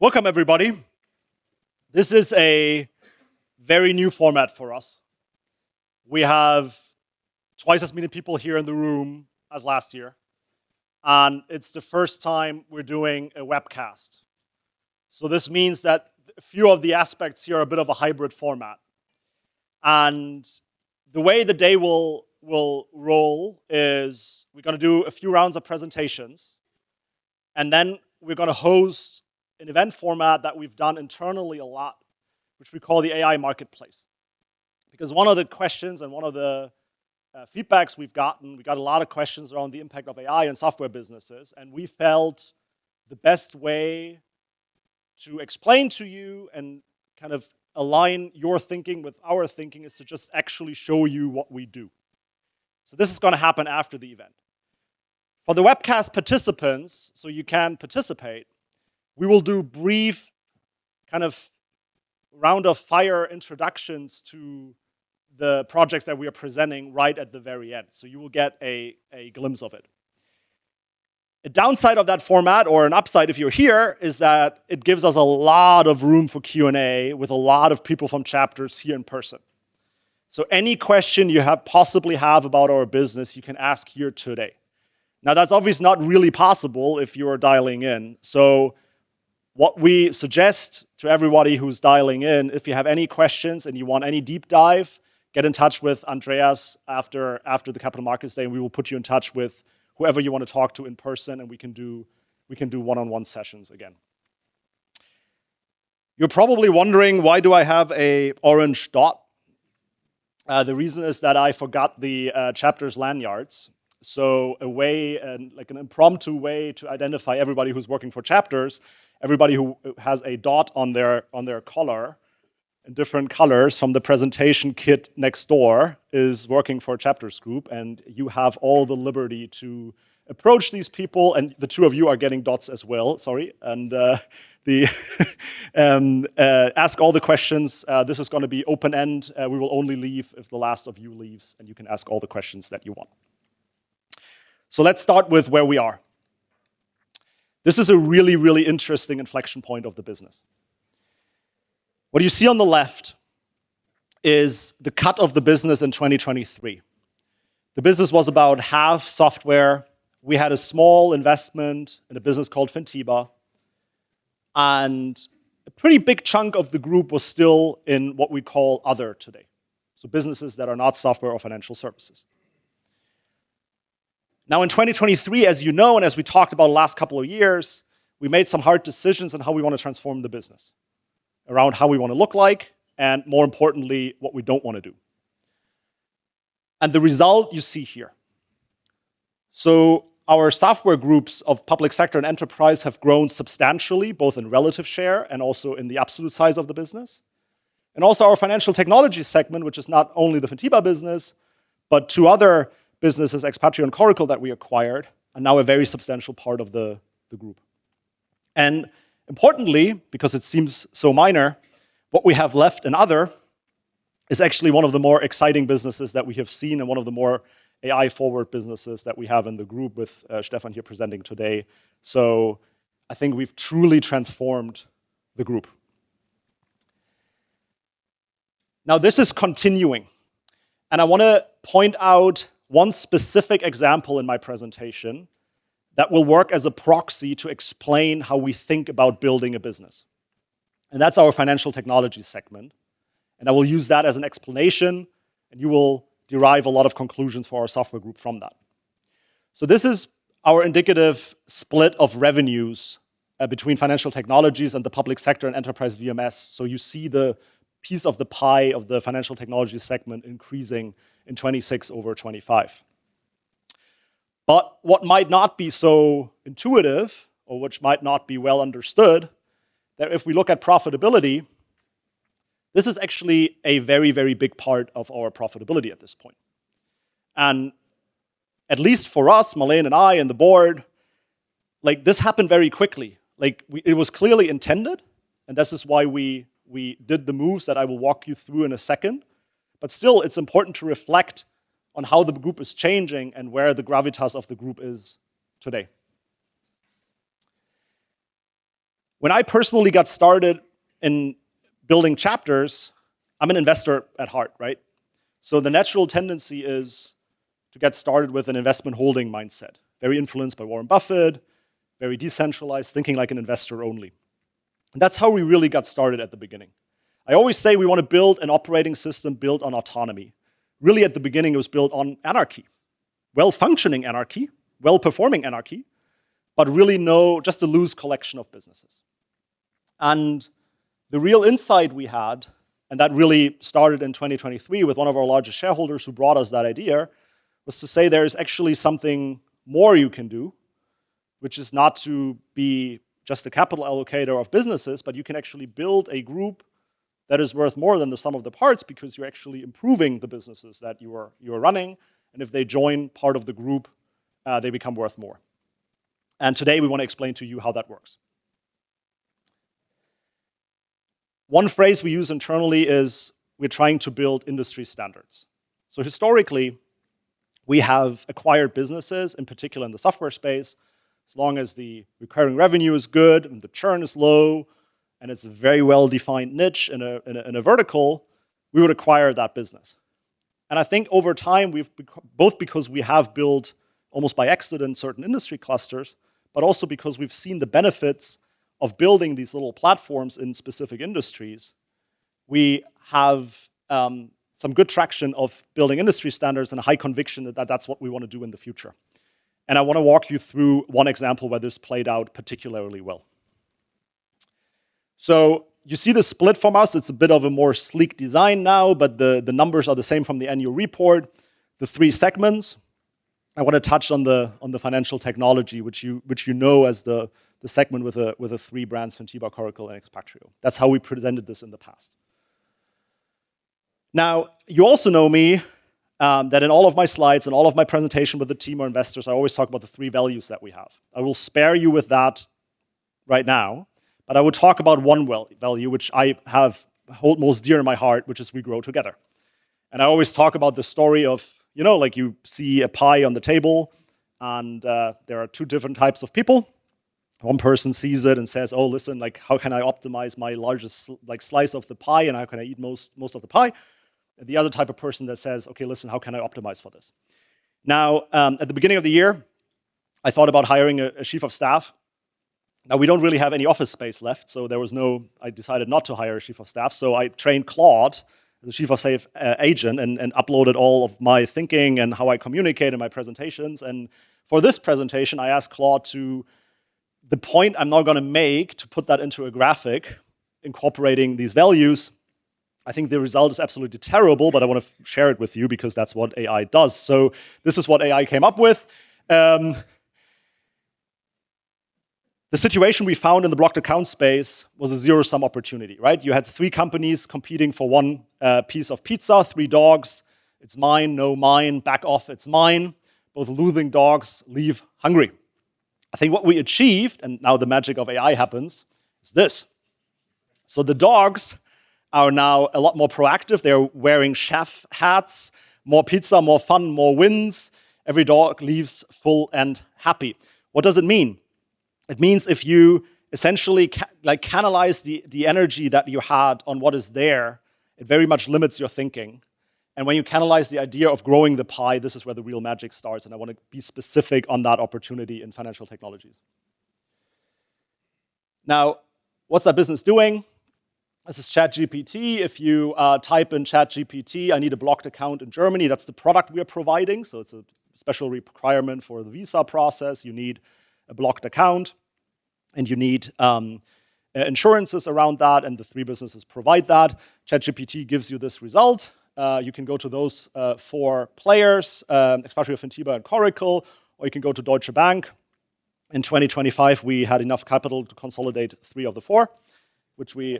Welcome everybody. This is a very new format for us. We have twice as many people here in the room as last year, and it's the first time we're doing a webcast. This means that a few of the aspects here are a bit of a hybrid format. And the way the day will roll is we're going to do a few rounds of presentations, and then, we're going to host an event format that we've done internally a lot, which we call the AI Marketplace. One of the questions and one of the feedbacks we've gotten, we got a lot of questions around the impact of AI on software businesses, and we felt the best way to explain to you and kind of align your thinking with our thinking is to just actually show you what we do. This is going to happen after the event. For the webcast participants, so you can participate, we will do brief kind of round of fire introductions to the projects that we are presenting right at the very end, so you will get a glimpse of it. A downside of that format or an upside if you're here is that it gives us a lot of room for Q&A with a lot of people from CHAPTERS here in person. So, any question you possibly have about our business, you can ask here today. That's obviously not really possible if you are dialing in, so what we suggest to everybody who's dialing in, if you have any questions and you want any deep dive, get in touch with Andreas after the Capital Markets Day, and we will put you in touch with whoever you want to talk to in person, and we can do one-on-one sessions again. You're probably wondering why do I have a orange dot. The reason is that I forgot the CHAPTERS lanyards. An impromptu way to identify everybody who's working for CHAPTERS, everybody who has a dot on their collar in different colors from the presentation kit next door is working for a CHAPTERS Group, and you have all the liberty to approach these people. The two of you are getting dots as well, sorry. Ask all the questions. This is going to be open-end. We will only leave if the last of you leaves, and you can ask all the questions that you want. Let's start with where we are. This is a really, really interesting inflection point of the business. What you see on the left is the cut of the business in 2023. The business was about half software. We had a small investment in a business called Fintiba, and a pretty big chunk of the group was still in what we call Other today, so businesses that are not software or financial services. In 2023, as you know, and as we talked about the last couple of years, we made some hard decisions on how we want to transform the business, around how we want to look like, and more importantly, what we don't want to do. And the result, you see here. Our software groups of public sector and enterprise have grown substantially, both in relative share and also in the absolute size of the business. Also, our financial technology segment, which is not only the Fintiba business, but two other businesses, Expatrio and Coracle that we acquired, are now a very substantial part of the group. Importantly, because it seems so minor, what we have left in Other is actually one of the more exciting businesses that we have seen and one of the more AI-forward businesses that we have in the group with Stephan here presenting today, so I think we've truly transformed the group. Now, this is continuing, and I want to point out one specific example in my presentation that will work as a proxy to explain how we think about building a business. That's our financial technology segment, and I will use that as an explanation, and you will derive a lot of conclusions for our software group from that. This is our indicative split of revenues between financial technologies and the public sector and enterprise VMS. You see the piece of the pie of the financial technology segment increasing in 2026 over 2025. But what might not be so intuitive, or which might not be well understood, that if we look at profitability, this is actually a very, very big part of our profitability at this point. At least for us, Marlene and I and the board, like, this happened very quickly. It was clearly intended, and this is why we did the moves that I will walk you through in a second. Still, it's important to reflect on how the group is changing and where the gravitas of the group is today. When I personally got started in building CHAPTERS, I'm an investor at heart, right, so the natural tendency is to get started with an investment holding mindset, very influenced by Warren Buffett, very decentralized, thinking like an investor only. That's how we really got started at the beginning. I always say we want to build an operating system built on autonomy. Really at the beginning, it was built on anarchy, well-functioning anarchy, well-performing anarchy, but really no, just a loose collection of businesses. The real insight we had, and that really started in 2023 with one of our largest shareholders who brought us that idea, was to say there is actually something more you can do, which is not to be just a capital allocator of businesses, but you can actually build a group that is worth more than the sum of the parts because you're actually improving the businesses that you are running, and if they join part of the group, they become worth more. Today, we want to explain to you how that works. One phrase we use internally is we're trying to build industry standards. Historically, we have acquired businesses, in particular in the software space, as long as the recurring revenue is good and the churn is low, and it's a very well-defined niche in a vertical, we would acquire that business. I think over time, both because we have built almost by accident certain industry clusters, but also because we've seen the benefits of building these little platforms in specific industries, we have some good traction of building industry standards and a high conviction that that's what we want to do in the future. I want to walk you through one example where this played out particularly well. You see the split from us. It's a bit of a more sleek design now, but the numbers are the same from the annual report, the three segments. I want to touch on the financial technology, which you know as the segment with the three brands, Fintiba, Coracle, and Expatrio. That is how we presented this in the past. Now, you also know me, that in all of my slides and all of my presentation with the team or investors, I always talk about the three values that we have. I will spare you with that right now, but I will talk about one value which I hold most dear in my heart, which is we grow together. I always talk about the story of you see a pie on the table and there are two different types of people. One person sees it and says, "Oh, listen, how can I optimize my largest slice of the pie, and how can I eat most of the pie?" The other type of person that says, "Okay, listen, how can I optimize for this?" At the beginning of the year, I thought about hiring a chief of staff. We don't really have any office space left, so there was no, I decided not to hire a chief of staff, so I trained Claude, the chief of staff agent, and uploaded all of my thinking and how I communicate in my presentations. For this presentation, I asked Claude to the point I am now going to make to put that into a graphic incorporating these values. I think the result is absolutely terrible, but I want to share it with you because that is what AI does. This is what AI came up with. The situation we found in the blocked account space was a zero-sum opportunity, right? You had three companies competing for one piece of pizza, three dogs. It is mine, no, mine. Back off, it is mine. Both losing dogs leave hungry. I think what we achieved, and now the magic of AI happens, is this. So, the dogs are now a lot more proactive. They are wearing chef hats. More pizza, more fun, more wins. Every dog leaves full and happy. What does it mean? It means if you essentially catalyze the energy that you had on what is there, it very much limits your thinking. When you catalyze the idea of growing the pie, this is where the real magic starts, and I want to be specific on that opportunity in financial technologies. Now, what is that business doing? This is ChatGPT. If you type in ChatGPT, "I need a blocked account in Germany," that is the product we are providing. It is a special requirement for the visa process. You need a blocked account, and you need insurances around that, and the three businesses provide that. ChatGPT gives you this result. You can go to those four players, Expatrio, Fintiba, and Coracle, or you can go to Deutsche Bank. In 2025, we had enough capital to consolidate three of the four, which we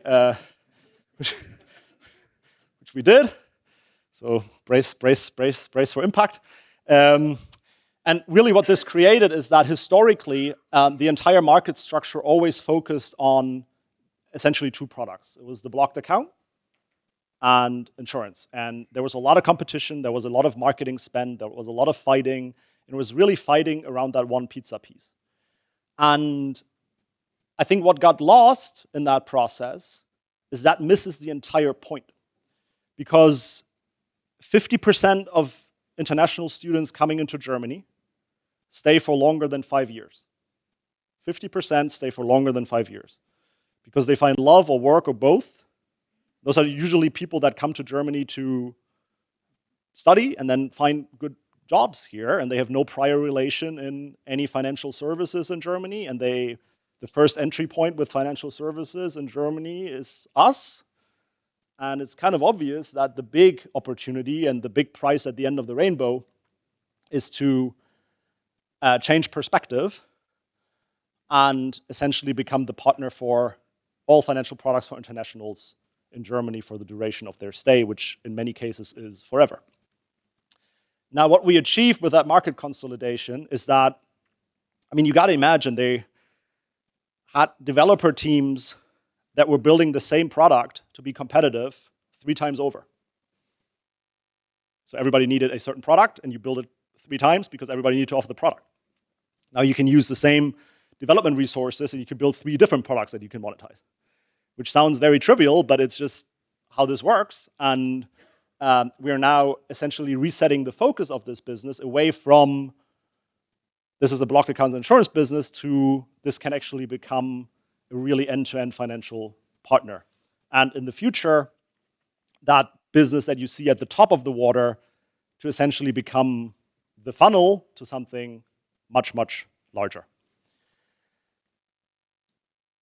did. So, brace for impact. And really, what this created is that historically, the entire market structure always focused on essentially two products. It was the blocked account and insurance. There was a lot of competition, there was a lot of marketing spend, there was a lot of fighting, and it was really fighting around that one pizza piece. I think what got lost in that process is that misses the entire point because 50% of international students coming into Germany stay for longer than five years. 50% stay for longer than five years because they find love or work or both. Those are usually people that come to Germany to study and then find good jobs here, and they have no prior relation in any financial services in Germany, and the first entry point with financial services in Germany is us. It is kind of obvious that the big opportunity and the big prize at the end of the rainbow is to change perspective and, essentially, become the partner for all financial products for internationals in Germany for the duration of their stay, which in many cases is forever. Now, what we achieved with that market consolidation is that, I mean, you got to imagine they had developer teams that were building the same product to be competitive three times over. Everybody needed a certain product, and you build it three times because everybody needed to offer the product. Now, you can use the same development resources, and you can build three different products that you can monetize. Which sounds very trivial, but it is just how this works. We are now essentially resetting the focus of this business away from this is a blocked accounts insurance business to this can actually become a really end-to-end financial partner. In the future, that business that you see at the top of the water to essentially become the funnel to something much, much larger.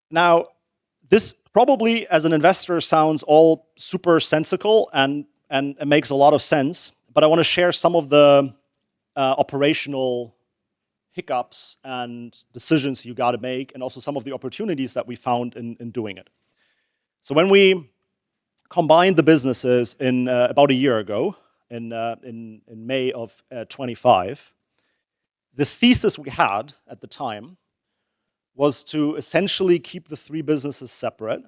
Now, this probably, as an investor, sounds all super sensical and makes a lot of sense, but I want to share some of the operational hiccups and decisions you got to make and also some of the opportunities that we found in doing it. So, when we combined the businesses about a year ago in May of 2025, the thesis we had at the time was to essentially keep the three businesses separate,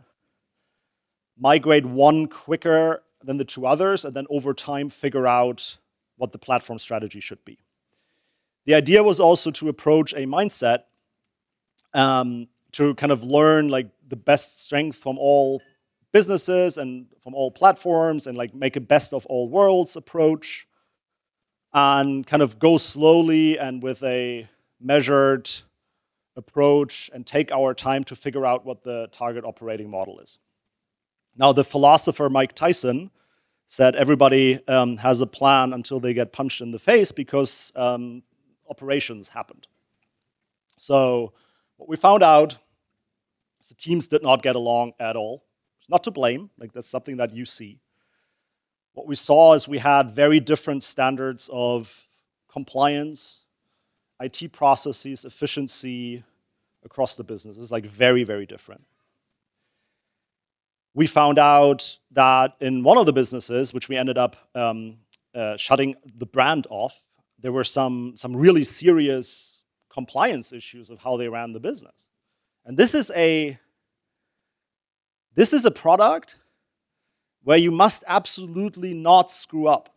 migrate one quicker than the two others, and then over time, figure out what the platform strategy should be. The idea was also to approach a mindset to kind of learn, like, the best strength from all businesses and from all platforms and make a best of all worlds approach and kind of go slowly and with a measured approach and take our time to figure out what the target operating model is. The philosopher Mike Tyson said everybody has a plan until they get punched in the face because operations happened. What we found out is the teams did not get along at all. It is not to blame. That is something that you see. What we saw is we had very different standards of compliance, IT processes, efficiency across the business. It is very, very different. We found out that in one of the businesses, which we ended up shutting the brand off, there were some really serious compliance issues of how they ran the business. This is a product where you must absolutely not screw up,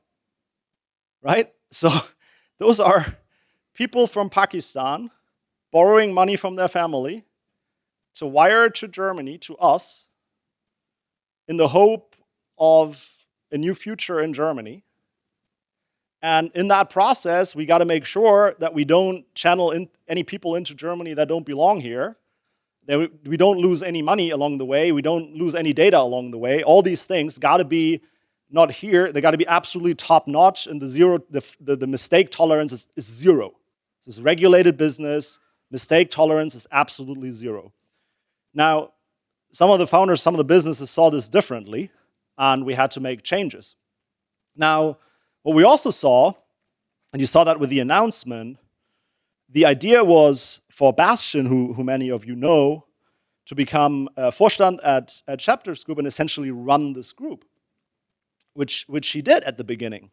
right? So, those are people from Pakistan borrowing money from their family to wire to Germany to us in the hope of a new future in Germany. In that process, we got to make sure that we do not channel any people into Germany that do not belong here, that we do not lose any money along the way, we do not lose any data along the way. All these things got to be not here. They got to be absolutely top-notch, and the mistake tolerance is zero. This is a regulated business. Mistake tolerance is absolutely zero. Some of the founders, some of the businesses saw this differently, and we had to make changes. What we also saw, and you saw that with the announcement, the idea was for Bastian, who many of you know, to become a Vorstand at CHAPTERS Group and essentially run this group, which he did at the beginning.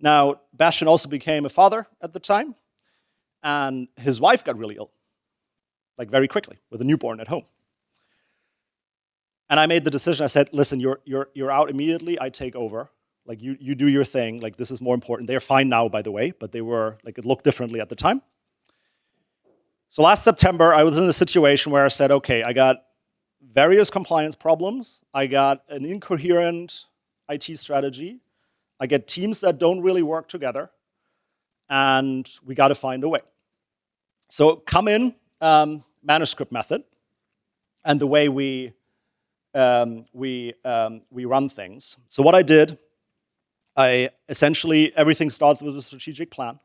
Bastian also became a father at the time, and his wife got really ill, very quickly with a newborn at home. I made the decision. I said, "Listen, you're out immediately. I take over. You do your thing. This is more important." They're fine now, by the way, but it looked differently at the time. Last September, I was in a situation where I said, "Okay, I got various compliance problems. I got an incoherent IT strategy. I get teams that do not really work together, and we got to find a way." Come in Manuscript Method and the way we run things. What I did, essentially, everything starts with a strategic plan.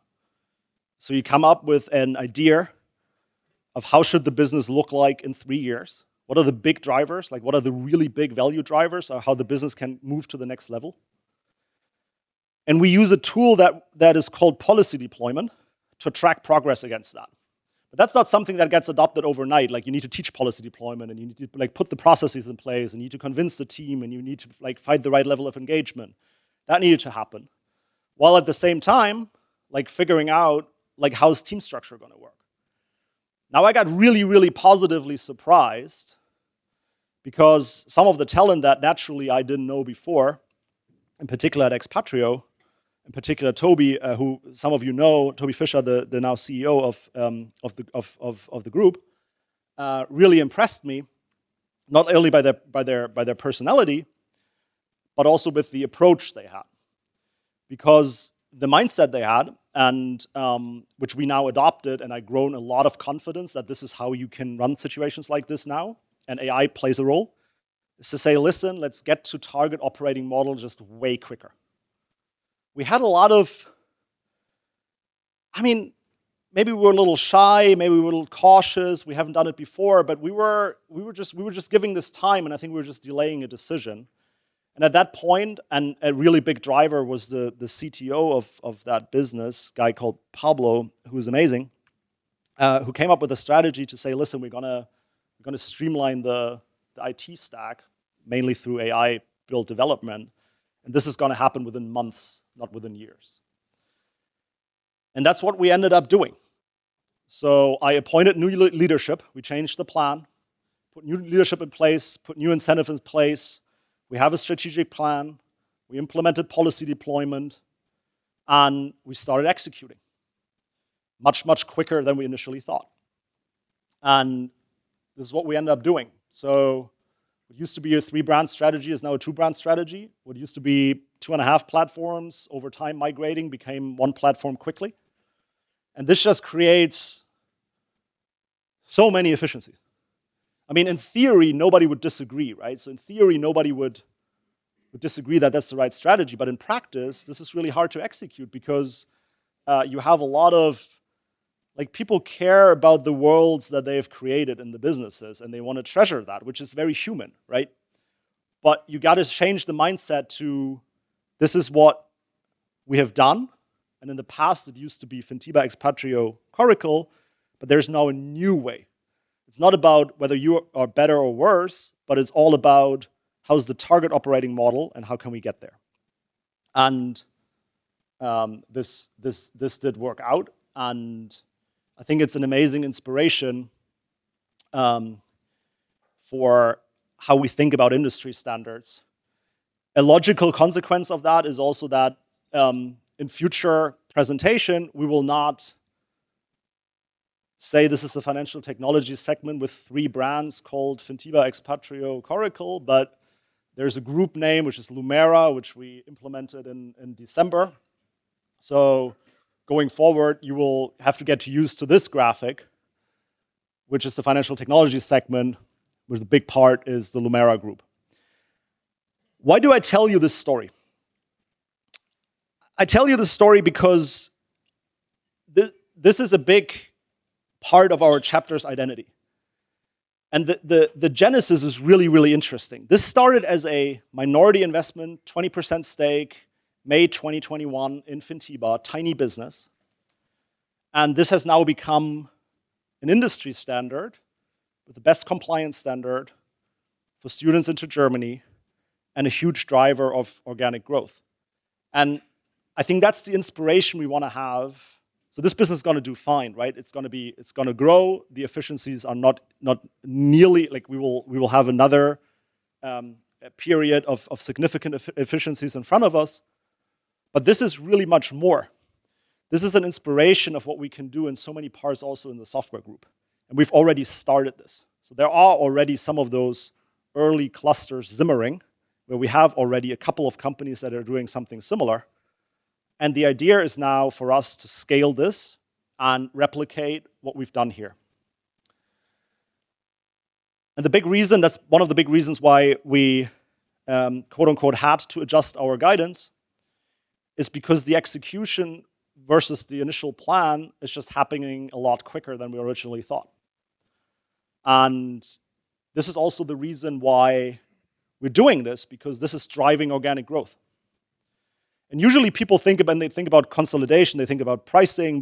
You come up with an idea of how should the business look like in three years. What are the big drivers? What are the really big value drivers of how the business can move to the next level? And we use a tool that is called policy deployment to track progress against that. That's not something that gets adopted overnight. You need to teach policy deployment, and you need to put the processes in place, and you need to convince the team, and you need to find the right level of engagement. That needed to happen, while at the same time, figuring out how is team structure going to work. I got really, really positively surprised because some of the talent that naturally I did not know before, in particular at Expatrio, in particular Toby, who some of you know, Toby Fischer, the now CEO of the group, really impressed me, not only by their personality, but also with the approach they have. Because the mindset they had, which we now adopted, and I've grown a lot of confidence that this is how you can run situations like this now, and AI plays a role, is to say, "Listen, let's get to target operating model just way quicker." We had a lot of, I mean, maybe we're a little shy, maybe we're a little cautious. We haven't done it before, but we were just giving this time, and I think we were just delaying a decision. At that point, and a really big driver was the CTO of that business, a guy called Pablo, who's amazing, who came up with a strategy to say, "Listen, we're going to streamline the IT stack mainly through AI-built development, and this is going to happen within months, not within years." That's what we ended up doing. So, I appointed new leadership. We changed the plan, put new leadership in place, put new incentives in place. We have a strategic plan. We implemented policy deployment, and we started executing much, much quicker than we initially thought. And this is what we ended up doing. What used to be a three-brand strategy is now a two-brand strategy. What used to be two and a half platforms over time migrating became one platform quickly. And this just creates so many efficiencies. In theory, nobody would disagree, right? In theory, nobody would disagree that that's the right strategy. But in practice, this is really hard to execute because you have a lot of, like, people care about the worlds that they have created in the businesses, and they want to treasure that, which is very human, right? But you got to change the mindset to, this is what we have done. In the past, it used to be Fintiba, Expatrio, Coracle, but there's now a new way. It's not about whether you are better or worse, but it's all about how's the target operating model and how can we get there. This did work out, and I think it's an amazing inspiration for how we think about industry standards. A logical consequence of that is also that in future presentation, we will not say this is a financial technology segment with three brands called Fintiba, Expatrio, Coracle, but there's a group name, which is Lumeira, which we implemented in December. So, going forward, you will have to get used to this graphic, which is the financial technology segment, where the big part is the Lumeira group. Why do I tell you this story? I tell you this story because this is a big part of our CHAPTERS identity. The genesis is really, really interesting. This started as a minority investment, 20% stake, May 2021 in Fintiba, a tiny business, and this has now become an industry standard with the best compliance standard for students into Germany and a huge driver of organic growth. I think that's the inspiration we want to have. This business is going to do fine, right? It's going to grow. The efficiencies are not nearly, like, we will have another period of significant efficiencies in front of us, but this is really much more. This is an inspiration of what we can do in so many parts also in the software group, and we've already started this. There are already some of those early clusters simmering where we have already a couple of companies that are doing something similar, and the idea is now for us to scale this and replicate what we've done here. One of the big reasons why we, "had to adjust our guidance" is because the execution versus the initial plan is just happening a lot quicker than we originally thought. This is also the reason why we're doing this, because this is driving organic growth. Usually, people think about consolidation, they think about pricing,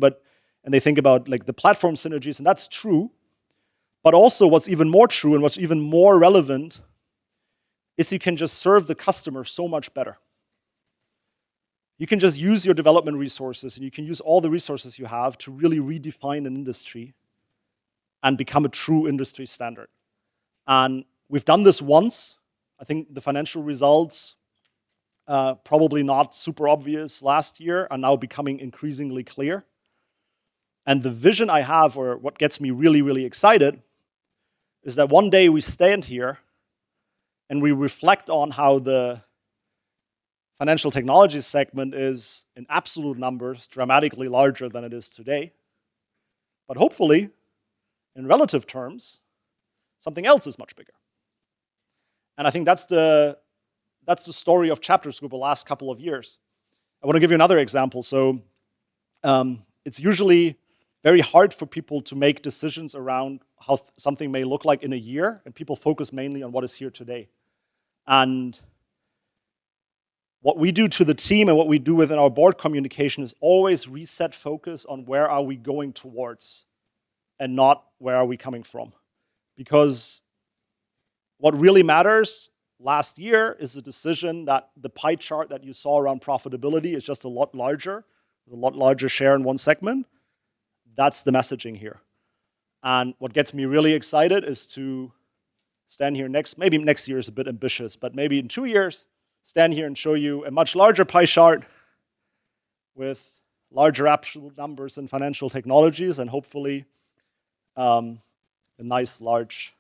and they think about the platform synergies, and that's true, but also what's even more true and what's even more relevant is you can just serve the customer so much better. You can just use your development resources, and you can use all the resources you have to really redefine an industry and become a true industry standard. We've done this once. I think the financial results, probably not super obvious last year, are now becoming increasingly clear. The vision I have or what gets me really excited is that one day we stand here and we reflect on how the financial technology segment is, in absolute numbers, dramatically larger than it is today. Hopefully, in relative terms, something else is much bigger. I think that's the story of CHAPTERS Group the last couple of years. I want to give you another example. It's usually very hard for people to make decisions around how something may look like in a year, and people focus mainly on what is here today. What we do to the team and what we do within our board communication is always reset focus on where are we going towards and not where are we coming from. Because what really matters, last year, is the decision that the pie chart that you saw around profitability is just a lot larger, with a lot larger share in one segment. That's the messaging here. What gets me really excited is to stand here, maybe next year is a bit ambitious, but maybe in two years, stand here and show you a much larger pie chart with larger absolute numbers and financial technologies and hopefully, a nice large,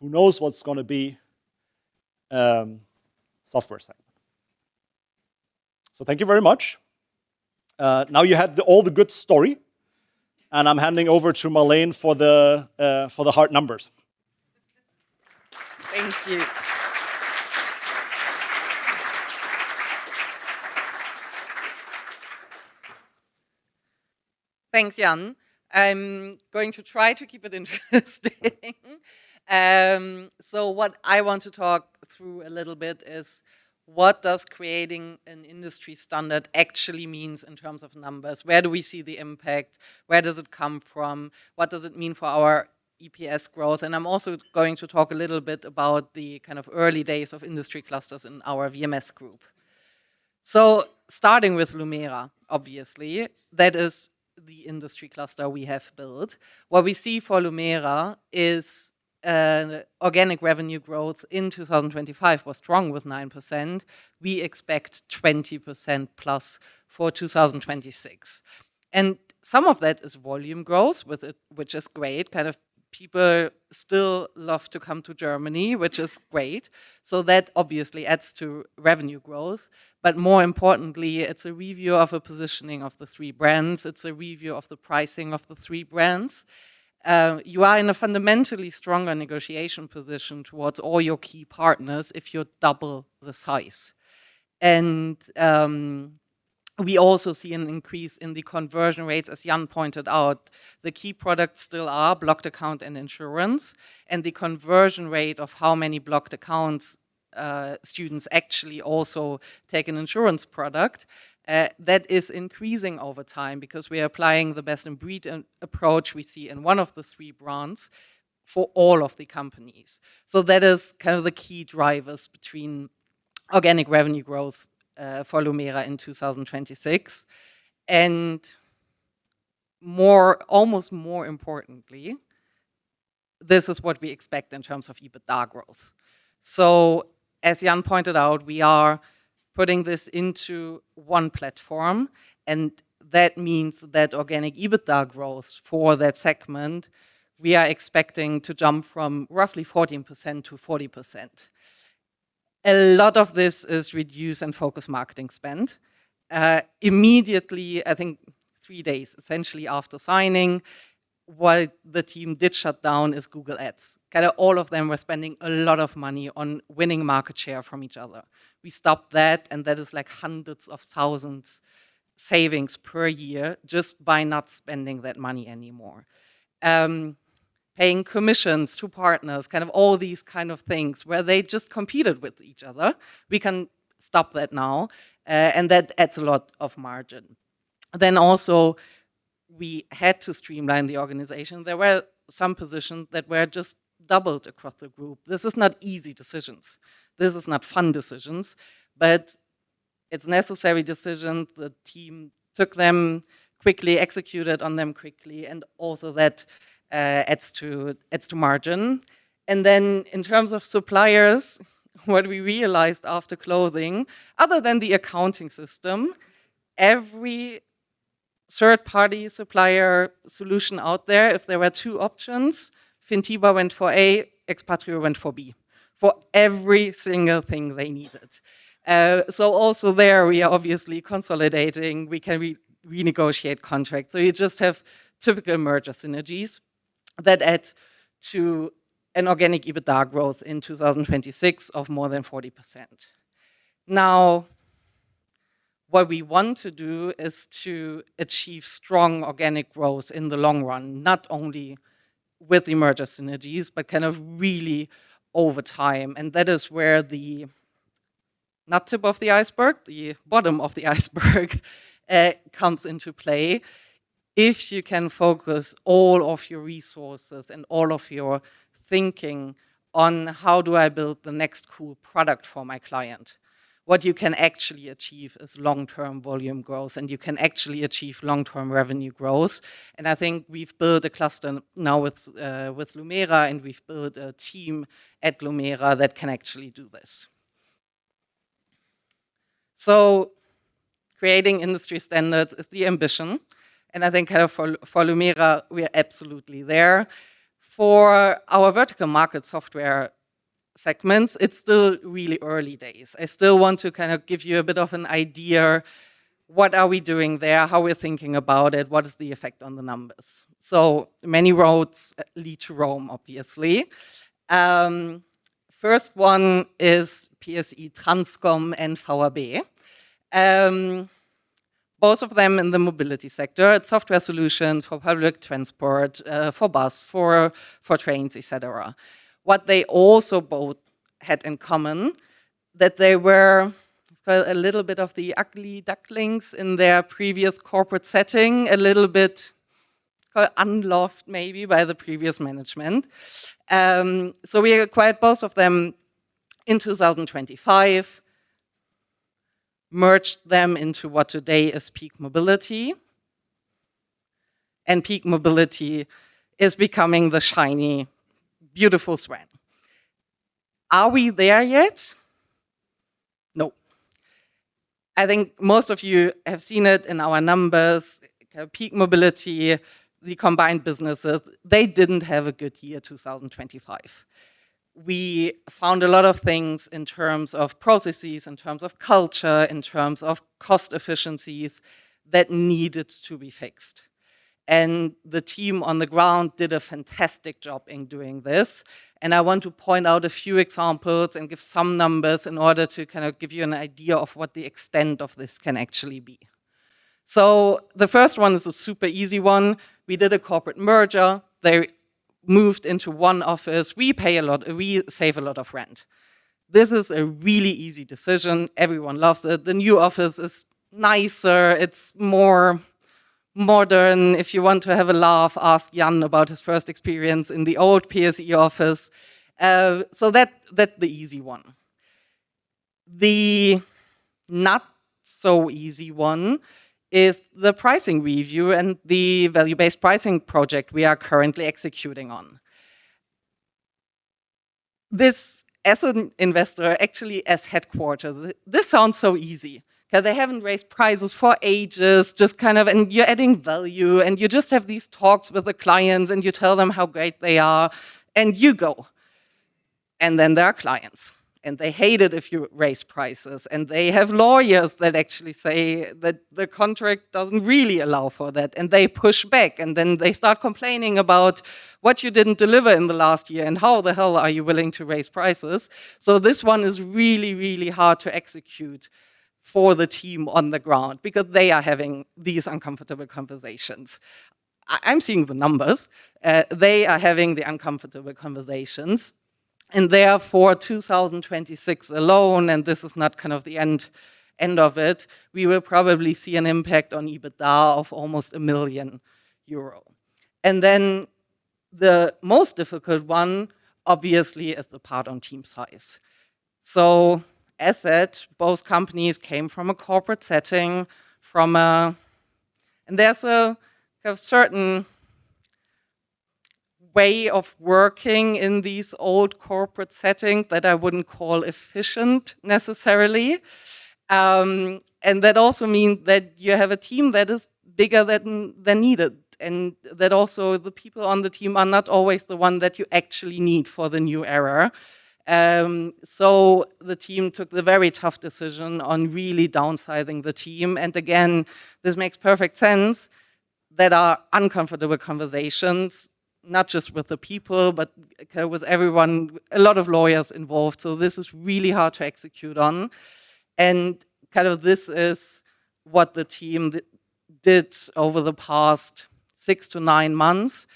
who knows what's going to be, software segment. Thank you very much. Now, you have all the good story, I'm handing over to Marlene for the hard numbers. Thank you. Thanks, Jan. I'm going to try to keep it interesting. What I want to talk through a little bit is what does creating an industry standard actually means in terms of numbers? Where do we see the impact? Where does it come from? What does it mean for our EPS growth? I'm also going to talk a little bit about the kind of early days of industry clusters in our VMS group. Starting with Lumeira, obviously, that is the industry cluster we have built, what we see for Lumeira is organic revenue growth in 2025 was strong with 9%. We expect 20%+ for 2026. Some of that is volume growth, which is great. People still love to come to Germany, which is great, so that obviously adds to revenue growth. But more importantly, it's a review of a positioning of the three brands. It's a review of the pricing of the three brands. You are in a fundamentally stronger negotiation position towards all your key partners if you double the size. We also see an increase in the conversion rates, as Jan pointed out. The key products still are blocked account and insurance, and the conversion rate of how many blocked accounts students actually also take an insurance product, that is increasing over time because we are applying the best-in-breed approach we see in one of the three brands for all of the companies. That is the key drivers between organic revenue growth for Lumeira in 2026. And almost more importantly, this is what we expect in terms of EBITDA growth. As Jan pointed out, we are putting this into one platform. That means that organic EBITDA growth for that segment, we are expecting to jump from roughly 14% to 40%. A lot of this is reduced and focused marketing spend. Immediately, I think three days essentially after signing, what the team did shut down is Google Ads. All of them were spending a lot of money on winning market share from each other. We stopped that, and that is hundreds of thousands savings per year just by not spending that money anymore. Paying commissions to partners, all these kinds of things where they just competed with each other, we can stop that now, and that adds a lot of margin. Also, we had to streamline the organization. There were some positions that were just doubled across the group. This is not easy decisions. This is not fun decisions. But it's necessary decision. The team took them quickly, executed on them quickly. Also, that adds to margin. Then, in terms of suppliers, what we realized after closing, other than the accounting system, every third-party supplier solution out there, if there were two options, Fintiba went for A, Expatrio went for B, for every single thing they needed. Also there, we are obviously consolidating. We can renegotiate contracts. You just have typical merger synergies that add to an organic EBITDA growth in 2026 of more than 40%. Now, what we want to do is to achieve strong organic growth in the long run, not only with the merger synergies, but really over time. That is where the, not tip of the iceberg, the bottom of the iceberg comes into play. If you can focus all of your resources and all of your thinking on how do I build the next cool product for my client, what you can actually achieve is long-term volume growth, and you can actually achieve long-term revenue growth. I think we've built a cluster now with Lumeira, we've built a team at Lumeira that can actually do this. Creating industry standards is the ambition, and I think for Lumeira, we are absolutely there. For our vertical market software segments, it's still really early days. I still want to give you a bit of an idea, what are we doing there? How we're thinking about it? What is the effect on the numbers? Many roads lead to Rome, obviously. First one is PSI Transcom and VAB. Both of them in the mobility sector. It's software solutions for public transport, for bus, for trains, et cetera. What they also both had in common, that they were a little bit of the ugly ducklings in their previous corporate setting, a little bit unloved maybe by the previous management. We acquired both of them in 2025, merged them into what today is Peak Mobility, and Peak Mobility is becoming the shiny, beautiful swan. Are we there yet? No. I think most of you have seen it in our numbers. Peak Mobility, the combined businesses, they didn't have a good year 2025. We found a lot of things in terms of processes, in terms of culture, in terms of cost efficiencies that needed to be fixed. The team on the ground did a fantastic job in doing this, and I want to point out a few examples and give some numbers in order to give you an idea of what the extent of this can actually be. The first one is a super easy one. We did a corporate merger. They moved into one office. We save a lot of rent. This is a really easy decision. Everyone loves it. The new office is nicer. It's more modern. If you want to have a laugh, ask Jan about his first experience in the old PSI office. That's the easy one. The not so easy one is the pricing review and the value-based pricing project we are currently executing on. This, as an investor, actually as headquarters, this sounds so easy because they haven't raised prices for ages, and you're adding value, and you just have these talks with the clients, and you tell them how great they are, and you go. They're clients, and they hate it if you raise prices. They have lawyers that actually say that the contract doesn't really allow for that. They push back, and then they start complaining about what you didn't deliver in the last year and how the hell are you willing to raise prices. This one is really, really hard to execute for the team on the ground because they are having these uncomfortable conversations. I'm seeing the numbers. They are having the uncomfortable conversations. Therefore, 2026 alone, and this is not the end of it, we will probably see an impact on EBITDA of almost 1 million euro. Then, the most difficult one, obviously, is the part on team size. As said, both companies came from a corporate setting, and there's a certain way of working in these old corporate settings that I wouldn't call efficient, necessarily. That also means that you have a team that is bigger than needed, and that also the people on the team are not always the one that you actually need for the new era. So, the team took the very tough decision on really downsizing the team. Again, this makes perfect sense that are uncomfortable conversations, not just with the people, but with everyone, a lot of lawyers involved. So, this is really hard to execute on. This is what the team did over the past six to nine months,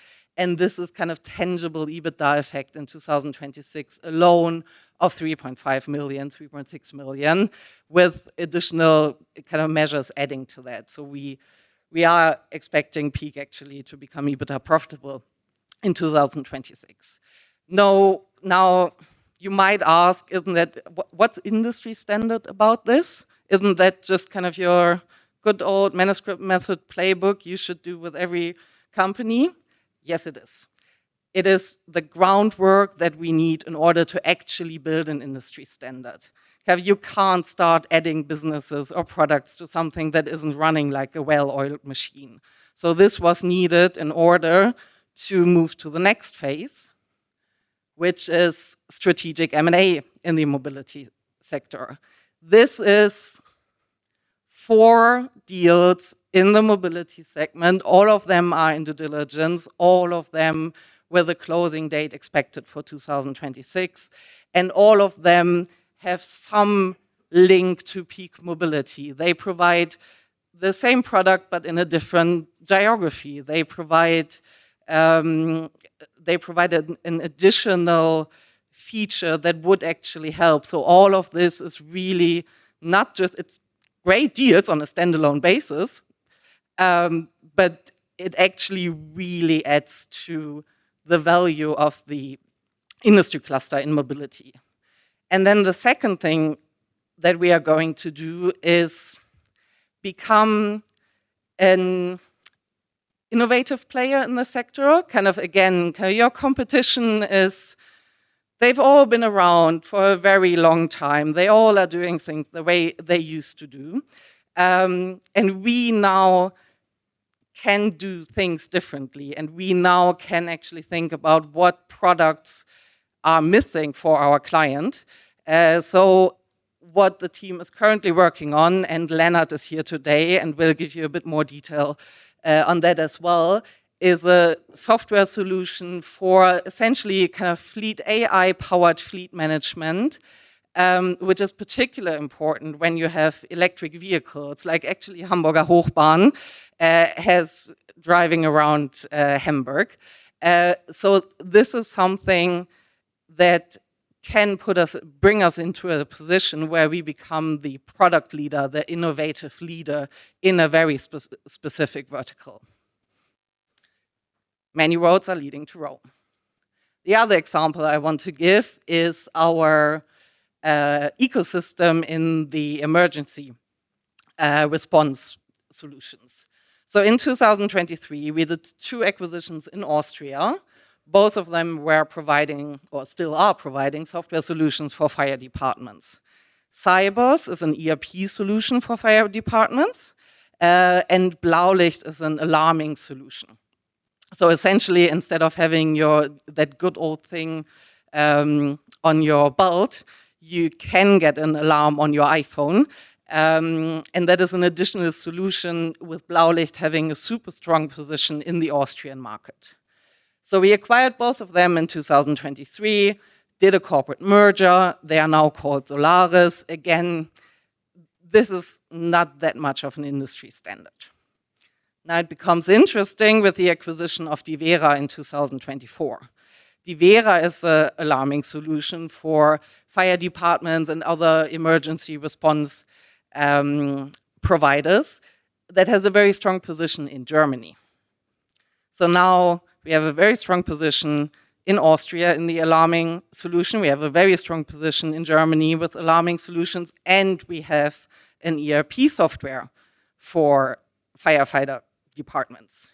and this is tangible EBITDA effect in 2026 alone of 3.5 million, 3.6 million, with additional measures adding to that. We are expecting Peak actually to become EBITDA profitable in 2026. Now, you might ask, "What's industry standard about this? Isn't that just your good old Manuscript Method playbook you should do with every company?" Yes, it is. It is the groundwork that we need in order to actually build an industry standard. You can't start adding businesses or products to something that isn't running like a well-oiled machine. This was needed in order to move to the next phase, which is strategic M&A in the mobility sector. This is four deals in the mobility segment. All of them are in due diligence. All of them with a closing date expected for 2026. And all of them have some link to Peak Mobility. They provide the same product, but in a different geography. They provide an additional feature that would actually help. All of this is really not just, it's great deals on a standalone basis, but it actually really adds to the value of the industry cluster in mobility. Then, the second thing that we are going to do is become an innovative player in the sector. Your competition is they've all been around for a very long time. They all are doing things the way they used to do. We now can do things differently. We now can actually think about what products are missing for our client. What the team is currently working on, and Lennart is here today and will give you a bit more detail on that as well, is a software solution for essentially fleet AI-powered fleet management, which is particularly important when you have electric vehicles, like actually Hamburger Hochbahn has driving around Hamburg. This is something that can bring us into a position where we become the product leader, the innovative leader in a very specific vertical. Many roads are leading to Rome. The other example I want to give is our ecosystem in the emergency response solutions. In 2023, we did two acquisitions in Austria. Both of them were providing or still are providing software solutions for fire departments. syBOS is an ERP solution for fire departments, and blaulicht is an alarming solution. Essentially, instead of having that good old thing on your belt, you can get an alarm on your iPhone. That is an additional solution with blaulicht having a super strong position in the Austrian market. We acquired both of them in 2023, did a corporate merger. They are now called SOLARYS. This is not that much of an industry standard. Now, it becomes interesting with the acquisition of DIVERA in 2024. DIVERA is an alarming solution for fire departments and other emergency response providers that has a very strong position in Germany. Now, we have a very strong position in Austria in the alarming solution. We have a very strong position in Germany with alarming solutions, and we have an ERP software for firefighter departments.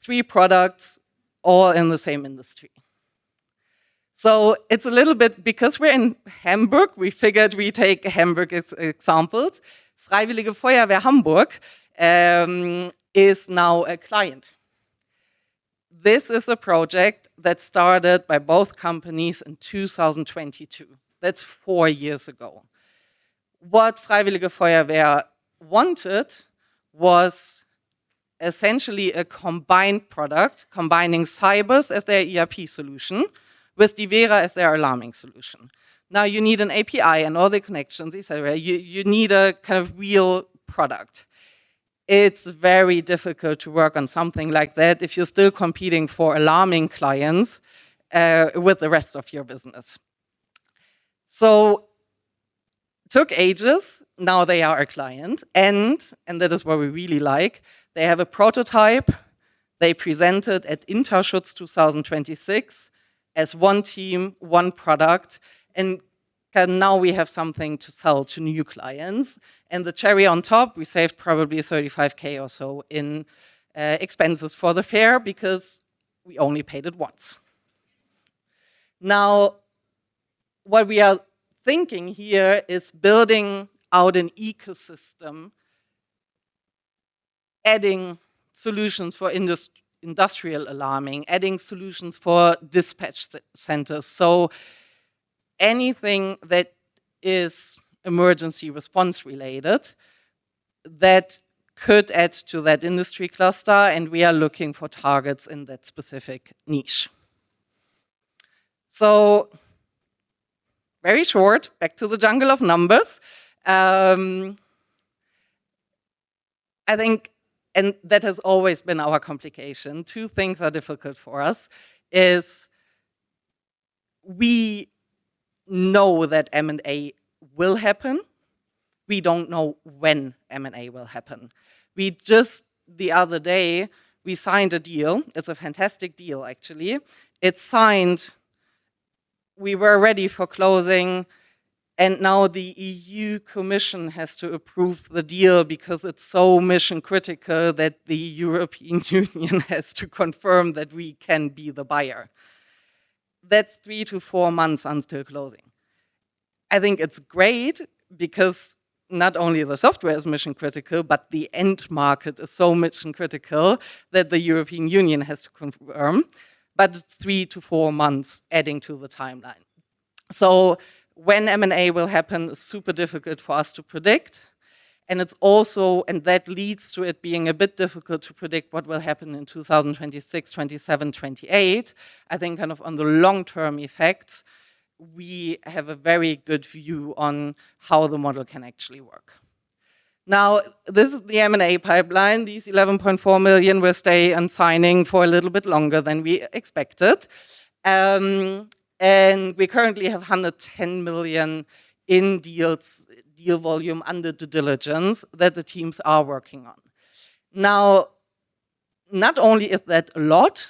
Three products all in the same industry. It's a little bit, because we're in Hamburg, we figured we take Hamburg as examples. Freiwillige Feuerwehr Hamburg is now a client. This is a project that started by both companies in 2022. That's four years ago. What Freiwillige Feuerwehr wanted was essentially a combined product combining syBOS as their ERP solution with DIVERA as their alarming solution. Now, you need an API and all the connections, et cetera. You need a real product. It's very difficult to work on something like that if you're still competing for alarming clients with the rest of your business. So, took ages, now, they are a client and that is what we really like. They have a prototype they presented at INTERSCHUTZ 2026 as one team, one product, and now, we have something to sell to new clients. The cherry on top, we saved probably 35,000 or so in expenses for the fair because we only paid it once. Now, what we are thinking here is building out an ecosystem, adding solutions for industrial alarming, adding solutions for dispatch centers, so anything that is emergency response-related that could add to that industry cluster, and we are looking for targets in that specific niche. So, very short, back to the jungle of numbers. I think that has always been our complication. Two things are difficult for us is we know that M&A will happen. We don't know when M&A will happen. We just, the other day, we signed a deal. It's a fantastic deal, actually. It's signed. We were ready for closing, and now the EU Commission has to approve the deal because it's so mission-critical that the European Union has to confirm that we can be the buyer. That's three to four months until closing. I think it's great because not only the software is mission-critical, but the end market is so mission-critical that the European Union has to confirm, but three to four months adding to the timeline. When M&A will happen is super difficult for us to predict. That leads to it being a bit difficult to predict what will happen in 2026, 2027, 2028. I think kind of on the long-term effects; we have a very good view on how the model can actually work. Now, this is the M&A pipeline. These 11.4 million will stay on signing for a little bit longer than we expected. We currently have 110 million in deals, deal volume under due diligence that the teams are working on. Not only is that a lot,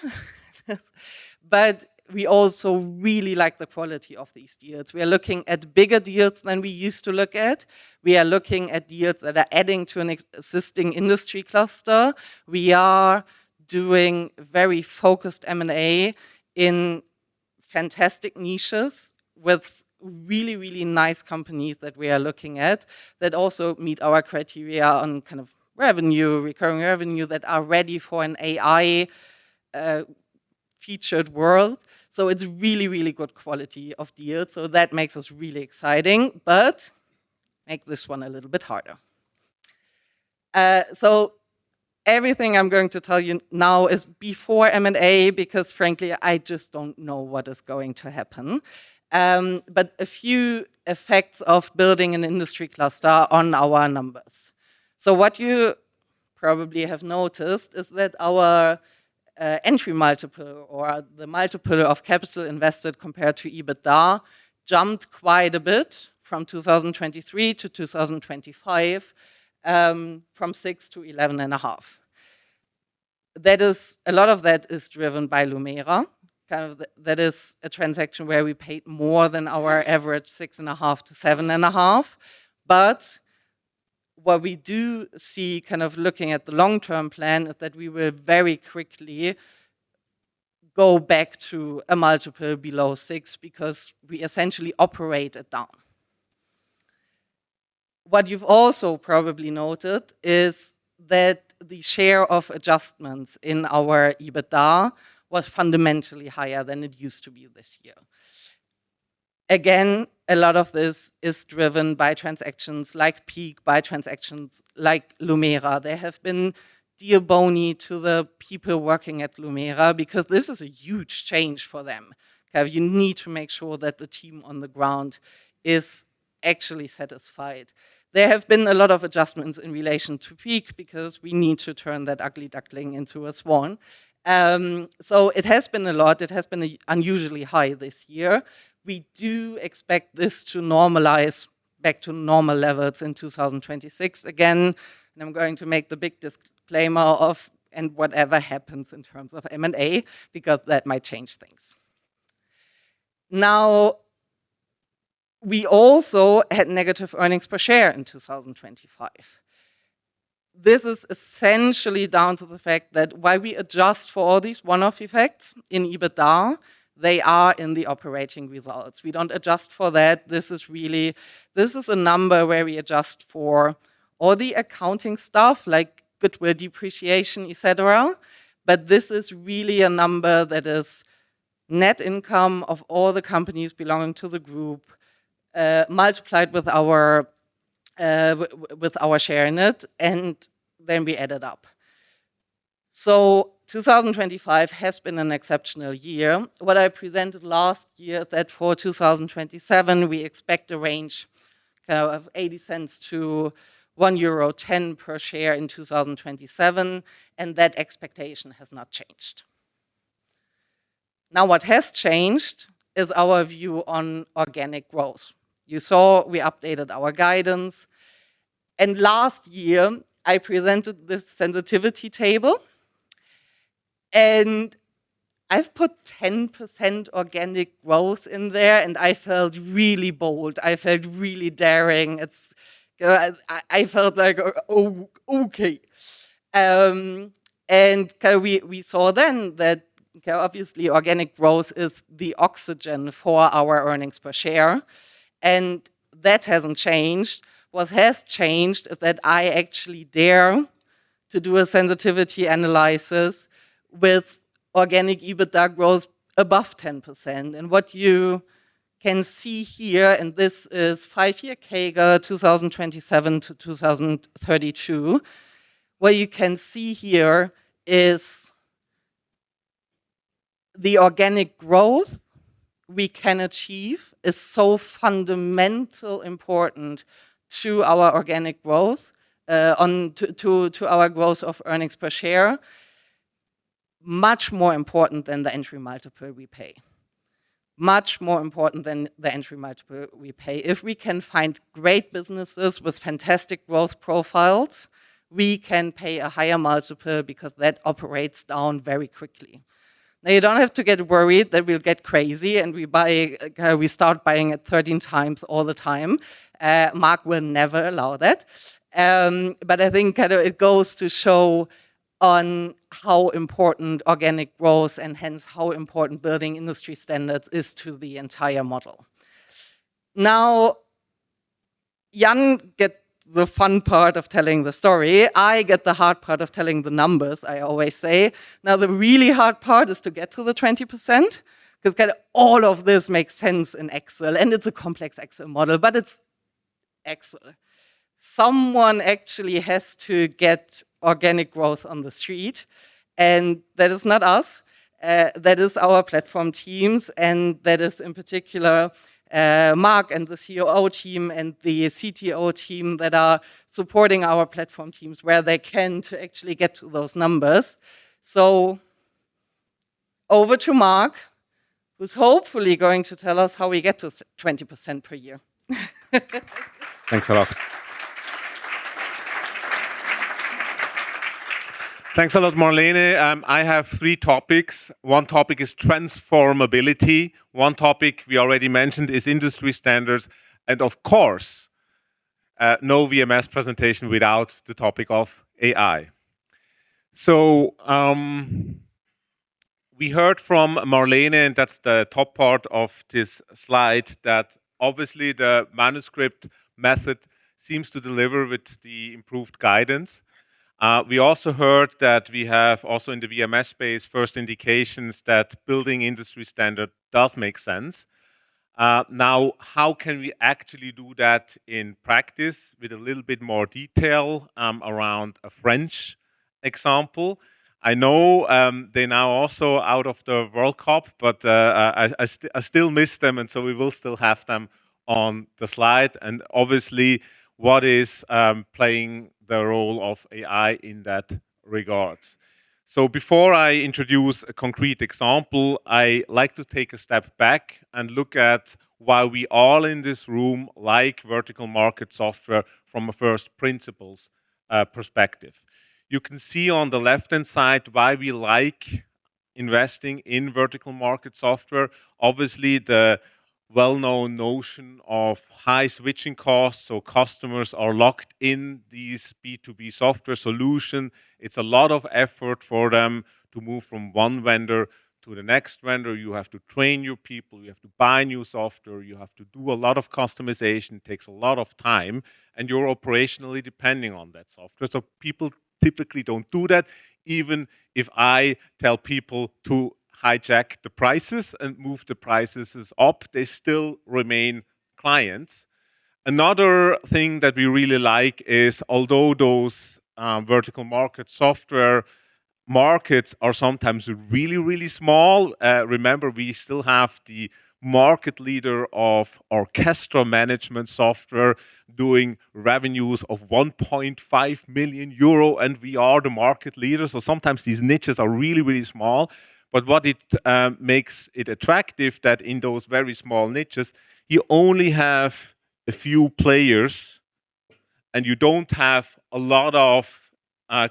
but we also really like the quality of these deals. We are looking at bigger deals than we used to look at. We are looking at deals that are adding to an existing industry cluster. We are doing very focused M&A in fantastic niches with really nice companies that we are looking at that also meet our criteria on kind of revenue, recurring revenue that are ready for an AI-featured world. It's really good quality of deals. That makes us really exciting but make this one a little bit harder. Everything I'm going to tell you now is before M&A because frankly, I just don't know what is going to happen, but a few effects of building an industry cluster on our numbers. What you probably have noticed is that our entry multiple or the multiple of capital invested compared to EBITDA jumped quite a bit from 2023 to 2025, from 6x to 11.5x. A lot of that is driven by Lumeira, kind of that is a transaction where we paid more than our average 6.5x-7.5x. But what we do see kind of looking at the long-term plan, that we will very quickly go back to a multiple below 6x because we essentially operate it down. What you've also probably noted is that the share of adjustments in our EBITDA was fundamentally higher than it used to be this year. Again, a lot of this is driven by transactions like Peak, by transactions like Lumeira. They have been demanding to the people working at Lumeira because this is a huge change for them. You need to make sure that the team on the ground is actually satisfied. There have been a lot of adjustments in relation to Peak because we need to turn that ugly duckling into a swan. It has been a lot. It has been unusually high this year. We do expect this to normalize back to normal levels in 2026. Again, I am going to make the big disclaimer of, and whatever happens in terms of M&A, because that might change things. Now, we also had negative earnings per share in 2025. This is essentially down to the fact that while we adjust for all these one-off effects in EBITDA, they are in the operating results. We do not adjust for that. This is a number where we adjust for all the accounting stuff like goodwill depreciation, et cetera. But this is really a number that is net income of all the companies belonging to the group, multiplied with our share in it, and then we add it up. So, 2025 has been an exceptional year. What I presented last year that for 2027, we expect a range of 0.80-1.10 euro per share in 2027, and that expectation has not changed. What has changed is our view on organic growth. You saw we updated our guidance, and last year, I presented this sensitivity table, and I have put 10% organic growth in there, and I felt really bold. I felt really daring. I felt like, okay. We saw then that, obviously, organic growth is the oxygen for our earnings per share, and that has not changed. What has changed is that I actually dare to do a sensitivity analysis with organic EBITDA growth above 10%. What you can see here, and this is five-year CAGR 2027-2032, what you can see here is the organic growth we can achieve is so fundamentally important to our organic growth, to our growth of earnings per share, much more important than the entry multiple we pay. Much more important than the entry multiple we pay. If we can find great businesses with fantastic growth profiles, we can pay a higher multiple because that operates down very quickly. You do not have to get worried that we will get crazy and we start buying at 13x all the time. Marc will never allow that. I think it goes to show on how important organic growth and hence how important building industry standards is to the entire model. Now, Jan gets the fun part of telling the story, I get the hard part of telling the numbers, I always say. Now, the really hard part is to get to the 20%, because all of this makes sense in Excel, and it is a complex Excel model, but it is Excel. Someone actually has to get organic growth on the street, and that is not us. That is our platform teams, and that is, in particular, Marc and the COO team and the CTO team that are supporting our platform teams where they can to actually get to those numbers. So over to Marc, who is hopefully going to tell us how we get to 20% per year. Thanks a lot. Thanks a lot, Marlene. I have three topics. One topic is transformability, one topic we already mentioned is industry standards, and of course, no VMS presentation without the topic of AI. We heard from Marlene, and that is the top part of this slide, that obviously the Manuscript Method seems to deliver with the improved guidance. We also heard that we have also in the VMS space, first indications that building industry standard does make sense. How can we actually do that in practice with a little bit more detail around a French example? I know they are now also out of the World Cup, but I still miss them, and we will still have them on the slide, and obviously, what is playing the role of AI in that regard. Before I introduce a concrete example, I like to take a step back and look at why we all in this room like vertical market software from a first principles perspective. You can see on the left-hand side why we like investing in vertical market software. Obviously, the well-known notion of high switching costs, customers are locked in these B2B software solutions. It is a lot of effort for them to move from one vendor to the next vendor. You have to train new people. You have to buy new software. You have to do a lot of customization. It takes a lot of time, and you are operationally depending on that software. People typically do not do that. Even if I tell people to hijack the prices and move the prices up, they still remain clients. Another thing that we really like is, although those vertical market software markets are sometimes really, really small, remember, we still have the market leader of orchestra management software doing revenues of 1.5 million euro, and we are the market leader, so sometimes these niches are really, really small, but what it makes it attractive that in those very small niches, you only have a few players and you do not have a lot of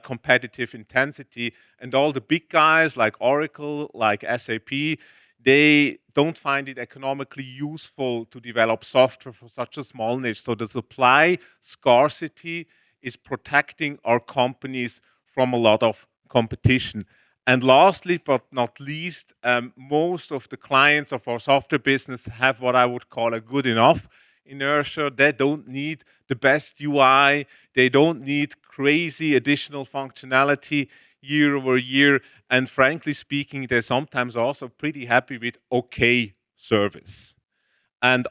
competitive intensity. All the big guys like Oracle, like SAP, they do not find it economically useful to develop software for such a small niche, so the supply scarcity is protecting our companies from a lot of competition. Lastly, but not least, most of the clients of our software business have what I would call a "good enough" inertia. They do not need the best UI. They do not need crazy additional functionality year-over-year. Frankly speaking, they are sometimes also pretty happy with okay service.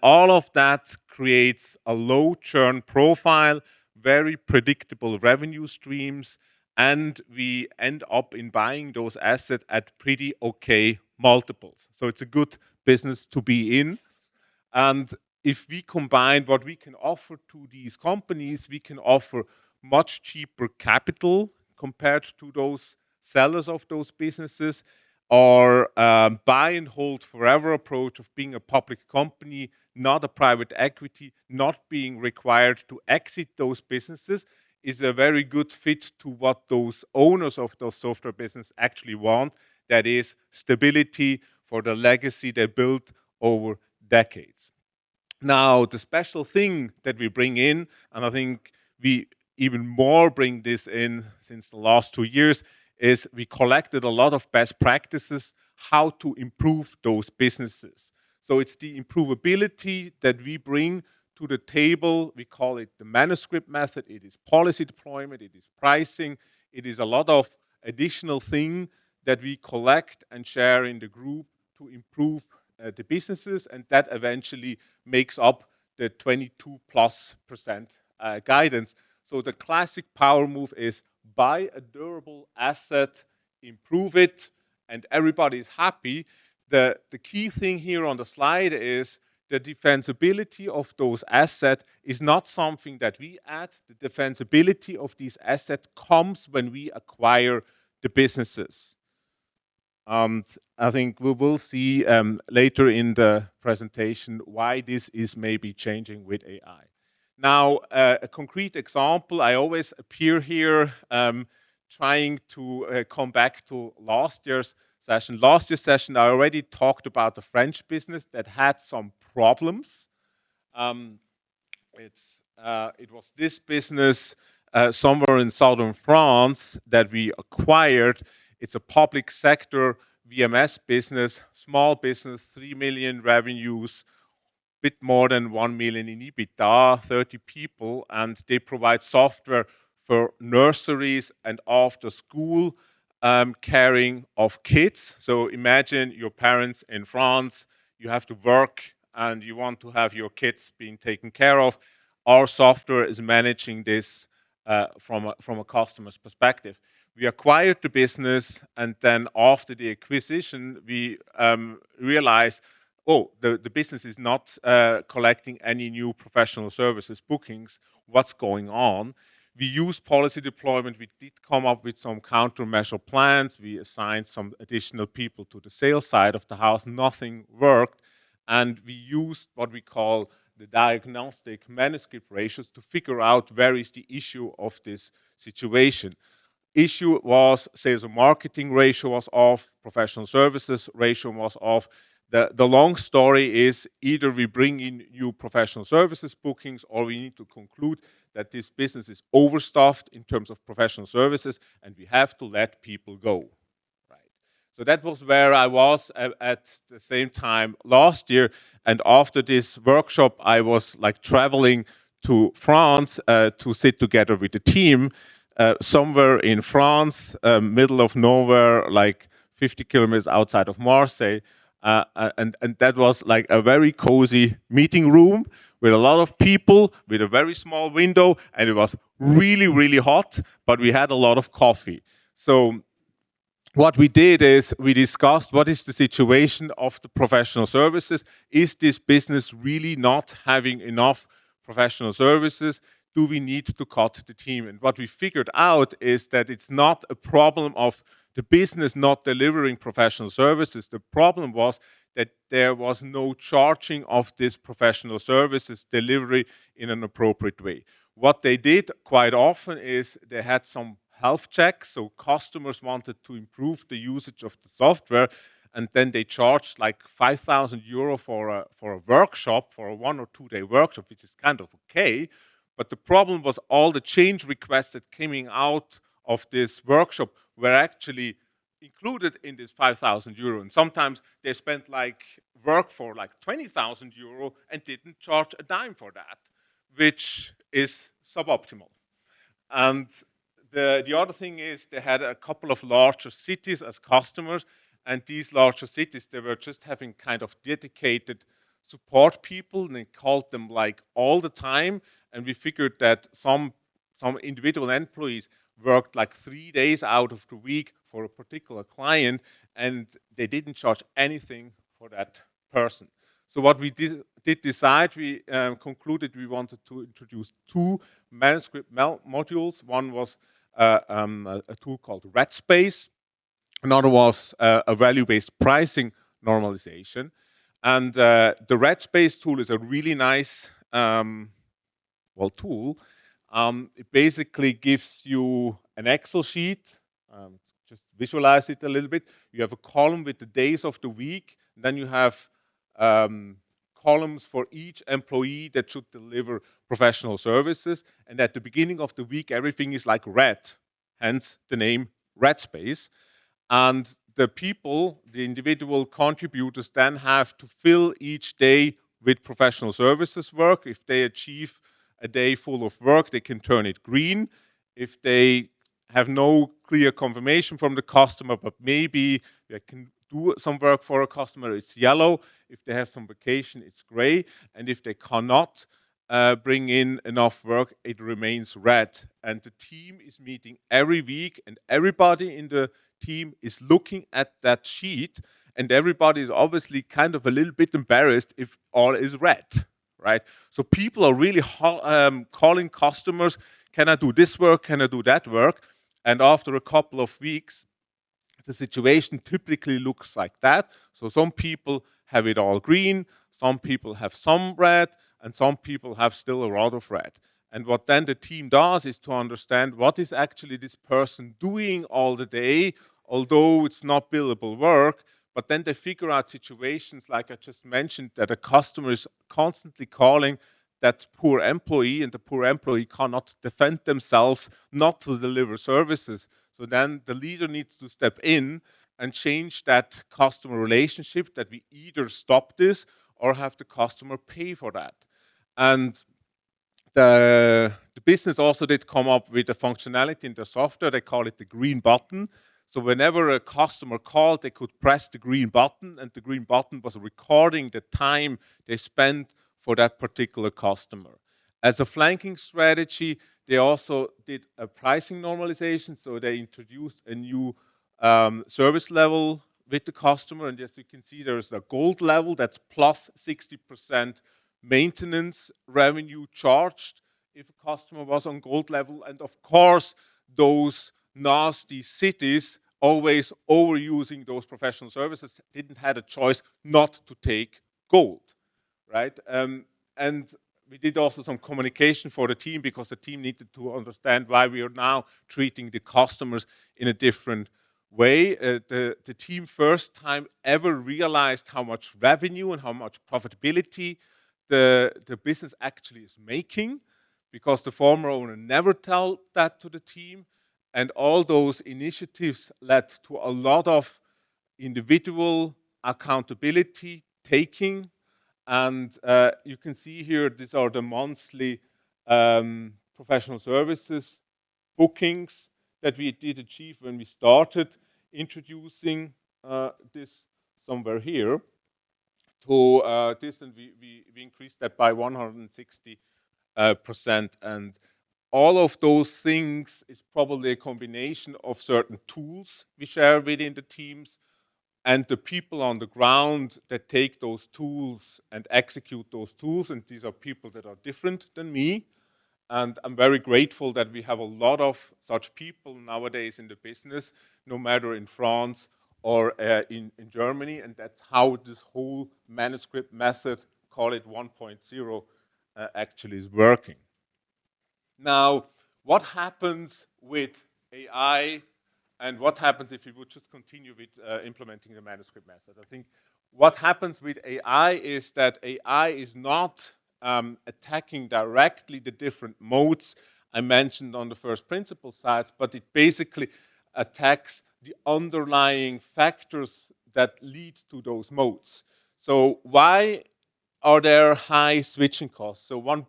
All of that creates a low churn profile, very predictable revenue streams, and we end up buying those assets at pretty okay multiples. It is a good business to be in. If we combine what we can offer to these companies, we can offer much cheaper capital compared to those sellers of those businesses or buy-and-hold-forever approach of being a public company, not a private equity. Not being required to exit those businesses is a very good fit to what those owners of those software businesses actually want, that is stability for the legacy they built over decades. Now, the special thing that we bring in, and I think we even more bring this in since the last two years, is we collected a lot of best practices how to improve those businesses. So, it's the improvability that we bring to the table. We call it the Manuscript Method. It is policy deployment, it is pricing, it is a lot of additional things that we collect and share in the group to improve the businesses, and that eventually makes up the 22%+ guidance. So, the classic power move is buy a durable asset, improve it, and everybody's happy. The key thing here on the slide is the defensibility of those assets is not something that we add. The defensibility of this asset comes when we acquire the businesses. I think we will see later in the presentation why this is maybe changing with AI. Now, a concrete example, I always appear here trying to come back to last year's session. Last year's session, I already talked about the French business that had some problems. It was this business somewhere in Southern France that we acquired. It's a public sector VMS business, small business, 3 million revenues, bit more than 1 million in EBITDA, 30 people, and they provide software for nurseries and after-school caring of kids. Imagine you're parents in France, you have to work, and you want to have your kids being taken care of. Our software is managing this from a customer's perspective. We acquired the business, and then after the acquisition, we realized, "Oh, the business is not collecting any new professional services bookings. What's going on?" We used policy deployment. We did come up with some countermeasure plans. We assigned some additional people to the sales side of the house. Nothing worked. We used what we call the diagnostic Manuscript ratios to figure out where is the issue of this situation. Issue was sales and marketing ratio was off, professional services ratio was off. The long story is either we bring in new professional services bookings, or we need to conclude that this business is overstaffed in terms of professional services and we have to let people go. That was where I was at the same time last year. After this workshop, I was traveling to France to sit together with the team somewhere in France, middle of nowhere, like 50 km outside of Marseille, and that was a very cozy meeting room with a lot of people, with a very small window, and it was really, really hot, but we had a lot of coffee. What we did is we discussed what is the situation of the professional services. Is this business really not having enough professional services? Do we need to cut the team? What we figured out is that it's not a problem of the business not delivering professional services. The problem was that there was no charging of this professional services delivery in an appropriate way. What they did quite often is they had some health checks, so customers wanted to improve the usage of the software, and then they charged 5,000 euro for a one or two-day workshop, which is kind of okay. The problem was all the change requests that coming out of this workshop were actually included in this 5,000 euro. Sometimes, they spent like, work for like 20,000 euro and didn't charge a dime for that, which is suboptimal. The other thing is they had a couple of larger cities as customers, and these larger cities, they were just having dedicated support people, and they called them all the time. We figured that some individual employees worked three days out of the week for a particular client, and they didn't charge anything for that person. What we did decide, we concluded we wanted to introduce two Manuscript modules. One was a tool called Red Space. Another was a value-based pricing normalization. The Red Space tool is a really nice tool. It basically gives you an Excel sheet. Just visualize it a little bit. You have a column with the days of the week, and then you have columns for each employee that should deliver professional services. At the beginning of the week, everything is like red, hence the name Red Space. The people, the individual contributors then have to fill each day with professional services work. If they achieve a day full of work, they can turn it green. If they have no clear confirmation from the customer, but maybe they can do some work for a customer, it's yellow. If they have some vacation, it's gray. If they cannot bring in enough work, it remains red. The team is meeting every week, and everybody in the team is looking at that sheet, and everybody's obviously a little bit embarrassed if all is red. People are really calling customers, "Can I do this work? Can I do that work?" After a couple of weeks, the situation typically looks like that. Some people have it all green, some people have some red, and some people have still a lot of red. What then the team does is to understand what is actually this person doing all the day, although it's not billable work. They figure out situations, like I just mentioned, that a customer is constantly calling that poor employee, and the poor employee cannot defend themselves not to deliver services. Then, the leader needs to step in and change that customer relationship, that we either stop this or have the customer pay for that. The business also did come up with a functionality in the software. They call it the green button. Whenever a customer called, they could press the green button, and the green button was recording the time they spent for that particular customer. As a flanking strategy, they also did a pricing normalization, so they introduced a new service level with the customer. As you can see, there is a gold level that's +60% maintenance revenue charged if a customer was on gold level. Of course, those nasty cities always overusing those professional services didn't have a choice not to take gold. We did also some communication for the team because the team needed to understand why we are now treating the customers in a different way. The team first time ever realized how much revenue and how much profitability the business actually is making, because the former owner never tell that to the team. All those initiatives led to a lot of individual accountability taking. You can see here, these are the monthly professional services bookings that we did achieve when we started introducing this somewhere here to this, and we increased that by 160%. All of those things is probably a combination of certain tools we share within the teams and the people on the ground that take those tools and execute those tools, and these are people that are different than me. I'm very grateful that we have a lot of such people nowadays in the business, no matter in France or in Germany. That's how this whole Manuscript Method, call it 1.0, actually is working. Now, what happens with AI and what happens if we would just continue with implementing the Manuscript Method? I think what happens with AI is that AI is not attacking directly the different modes I mentioned on the first principle slides, but it basically attacks the underlying factors that lead to those modes. Why are there high switching costs? One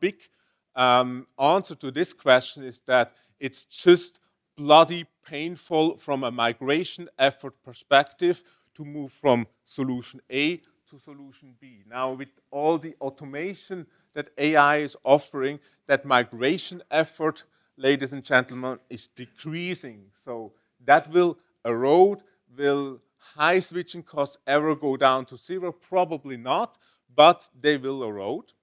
big answer to this question is that it's just bloody painful from a migration effort perspective to move from solution A to solution B. With all the automation that AI is offering, that migration effort, ladies and gentlemen, is decreasing. That will erode. Will high switching costs ever go down to zero? Probably not, but they will erode.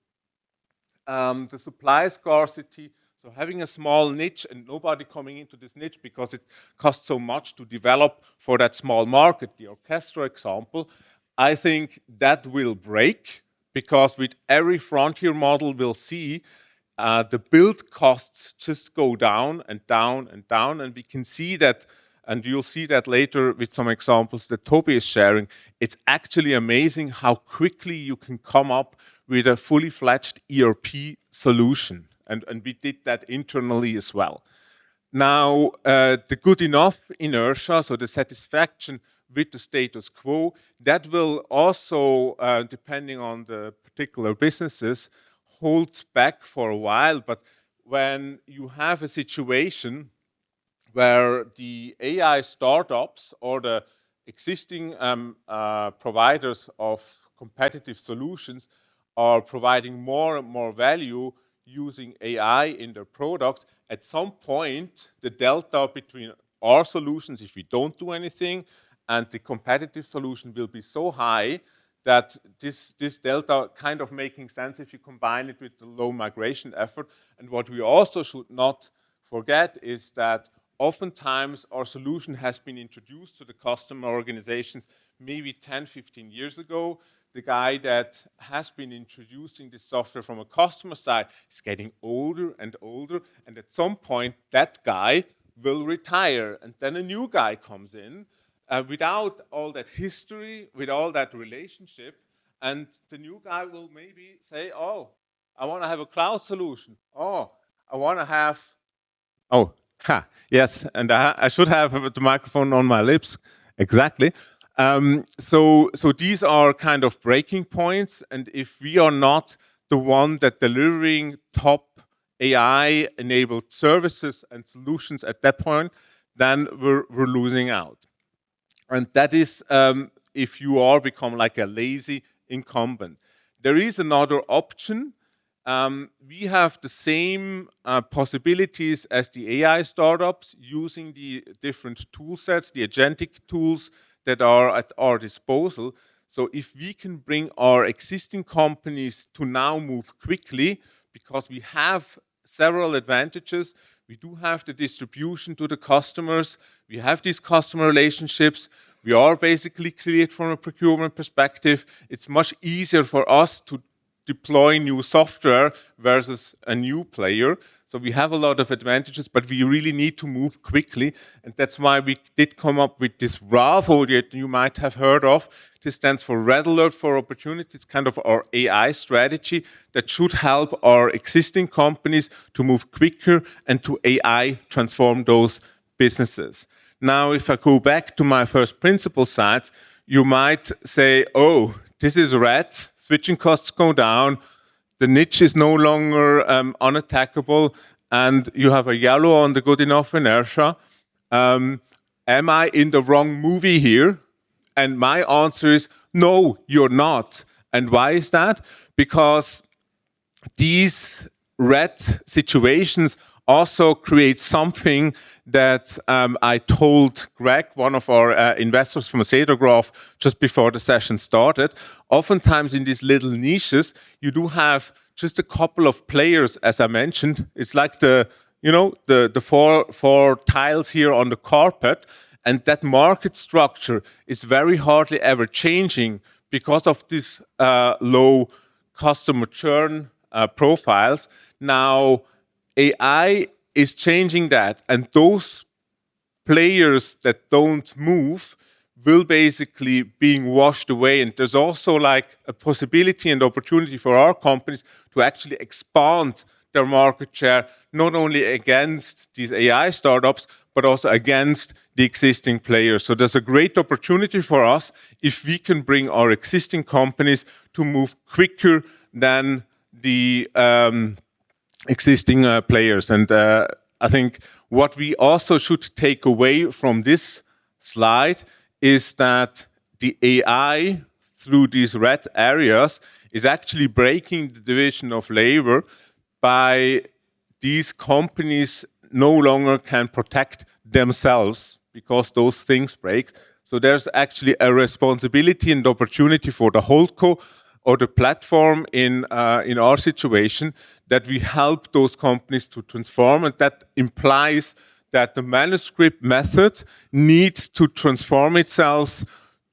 The supply scarcity, so having a small niche and nobody coming into this niche because it costs so much to develop for that small market, the orchestra example, I think that will break because with every frontier model, we'll see the build costs just go down and down and down, and we can see that, and you'll see that later with some examples that Toby is sharing. It's actually amazing how quickly you can come up with a fully-fledged ERP solution. We did that internally as well. Now, the good enough inertia, the satisfaction with the status quo, that will also, depending on the particular businesses, hold back for a while. When you have a situation where the AI startups or the existing providers of competitive solutions are providing more and more value using AI in their product, at some point, the delta between our solutions, if we don't do anything, and the competitive solution will be so high that this delta kind of making sense if you combine it with the low migration effort. What we also should not forget is that oftentimes our solution has been introduced to the customer organizations maybe 10, 15 years ago. The guy that has been introducing this software from a customer side is getting older and older. At some point, that guy will retire. Then a new guy comes in without all that history, with all that relationship. The new guy will maybe say, "Oh, I want to have a cloud solution. Oh, I want to have" Oh, ha. Yes, I should have the microphone on my lips. Exactly. These are kind of breaking points. If we are not the one that delivering top AI-enabled services and solutions at that point, then we're losing out. That is if you all become a lazy incumbent. There is another option. We have the same possibilities as the AI startups using the different tool sets, the agentic tools that are at our disposal. If we can bring our existing companies to now move quickly because we have several advantages. We do have the distribution to the customers. We have these customer relationships. We are basically clear from a procurement perspective. It is much easier for us to deploy new software versus a new player. We have a lot of advantages, but we really need to move quickly, and that is why we did come up with this RAFO that you might have heard of. This stands for Red Alert for Opportunity. It is kind of our AI strategy that should help our existing companies to move quicker and to AI transform those businesses. If I go back to my first principle slide, you might say, "Oh, this is red. Switching costs go down. The niche is no longer unattackable, and you have a yellow on the good enough inertia. Am I in the wrong movie here?" My answer is no, you are not. Why is that? Because these red situations also create something that I told Greg, one of our investors from Sator Grove just before the session started. Oftentimes in these little niches, you do have just a couple of players, as I mentioned. It is like the four tiles here on the carpet, and that market structure is very hardly ever changing because of these low customer churn profiles. Now, AI is changing that, and those players that do not move will basically being washed away. There is also a possibility and opportunity for our companies to actually expand their market share, not only against these AI startups, but also against the existing players. There is a great opportunity for us if we can bring our existing companies to move quicker than the existing players. I think what we also should take away from this slide is that the AI, through these red areas, is actually breaking the division of labor by these companies no longer can protect themselves because those things break. There is actually a responsibility and opportunity for the whole co or the platform in our situation that we help those companies to transform. That implies that the Manuscript Method needs to transform itself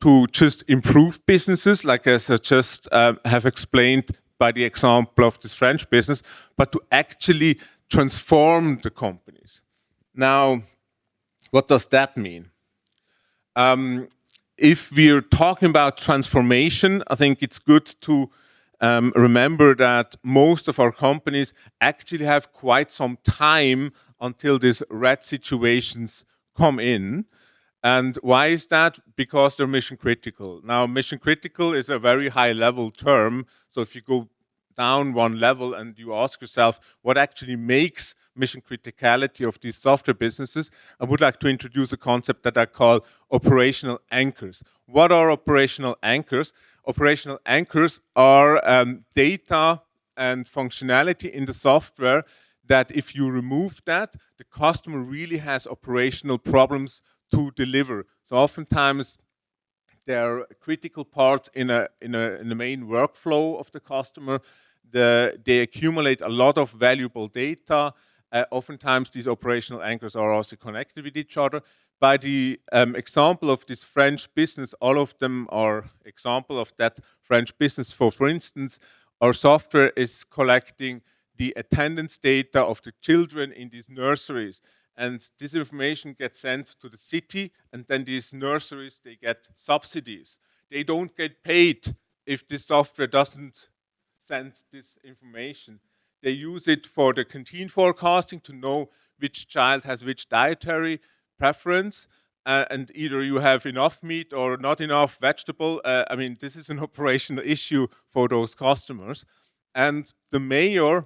to just improve businesses, like as I just have explained by the example of this French business, but to actually transform the companies. What does that mean? If we are talking about transformation, I think it is good to remember that most of our companies actually have quite some time until these red situations come in. Why is that? Because they are mission-critical. Mission-critical is a very high-level term. If you go down one level and you ask yourself what actually makes mission criticality of these software businesses, I would like to introduce a concept that I call operational anchors. What are operational anchors? Operational anchors are data and functionality in the software that if you remove that, the customer really has operational problems to deliver. Oftentimes, there are critical parts in the main workflow of the customer. They accumulate a lot of valuable data. Oftentimes, these operational anchors are also connected with each other. By the example of this French business, all of them are example of that French business. For instance, our software is collecting the attendance data of the children in these nurseries, and this information gets sent to the city, and then these nurseries, they get subsidies. They do not get paid if the software does not send this information. They use it for the canteen forecasting to know which child has which dietary preference. Either you have enough meat or not enough vegetable. This is an operational issue for those customers. The mayor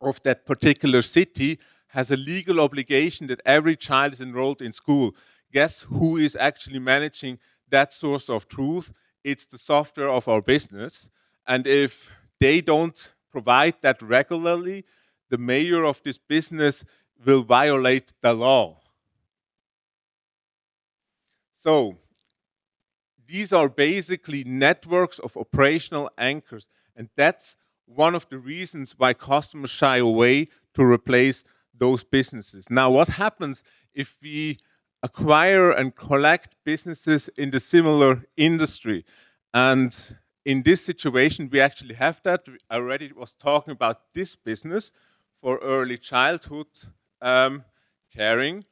of that particular city has a legal obligation that every child is enrolled in school. Guess who is actually managing that source of truth? It is the software of our business. If they do not provide that regularly, the mayor of this business will violate the law. These are basically networks of operational anchors, and that is one of the reasons why customers shy away to replace those businesses. What happens if we acquire and collect businesses in the similar industry? In this situation, we actually have that already was talking about this business for early childhood caring.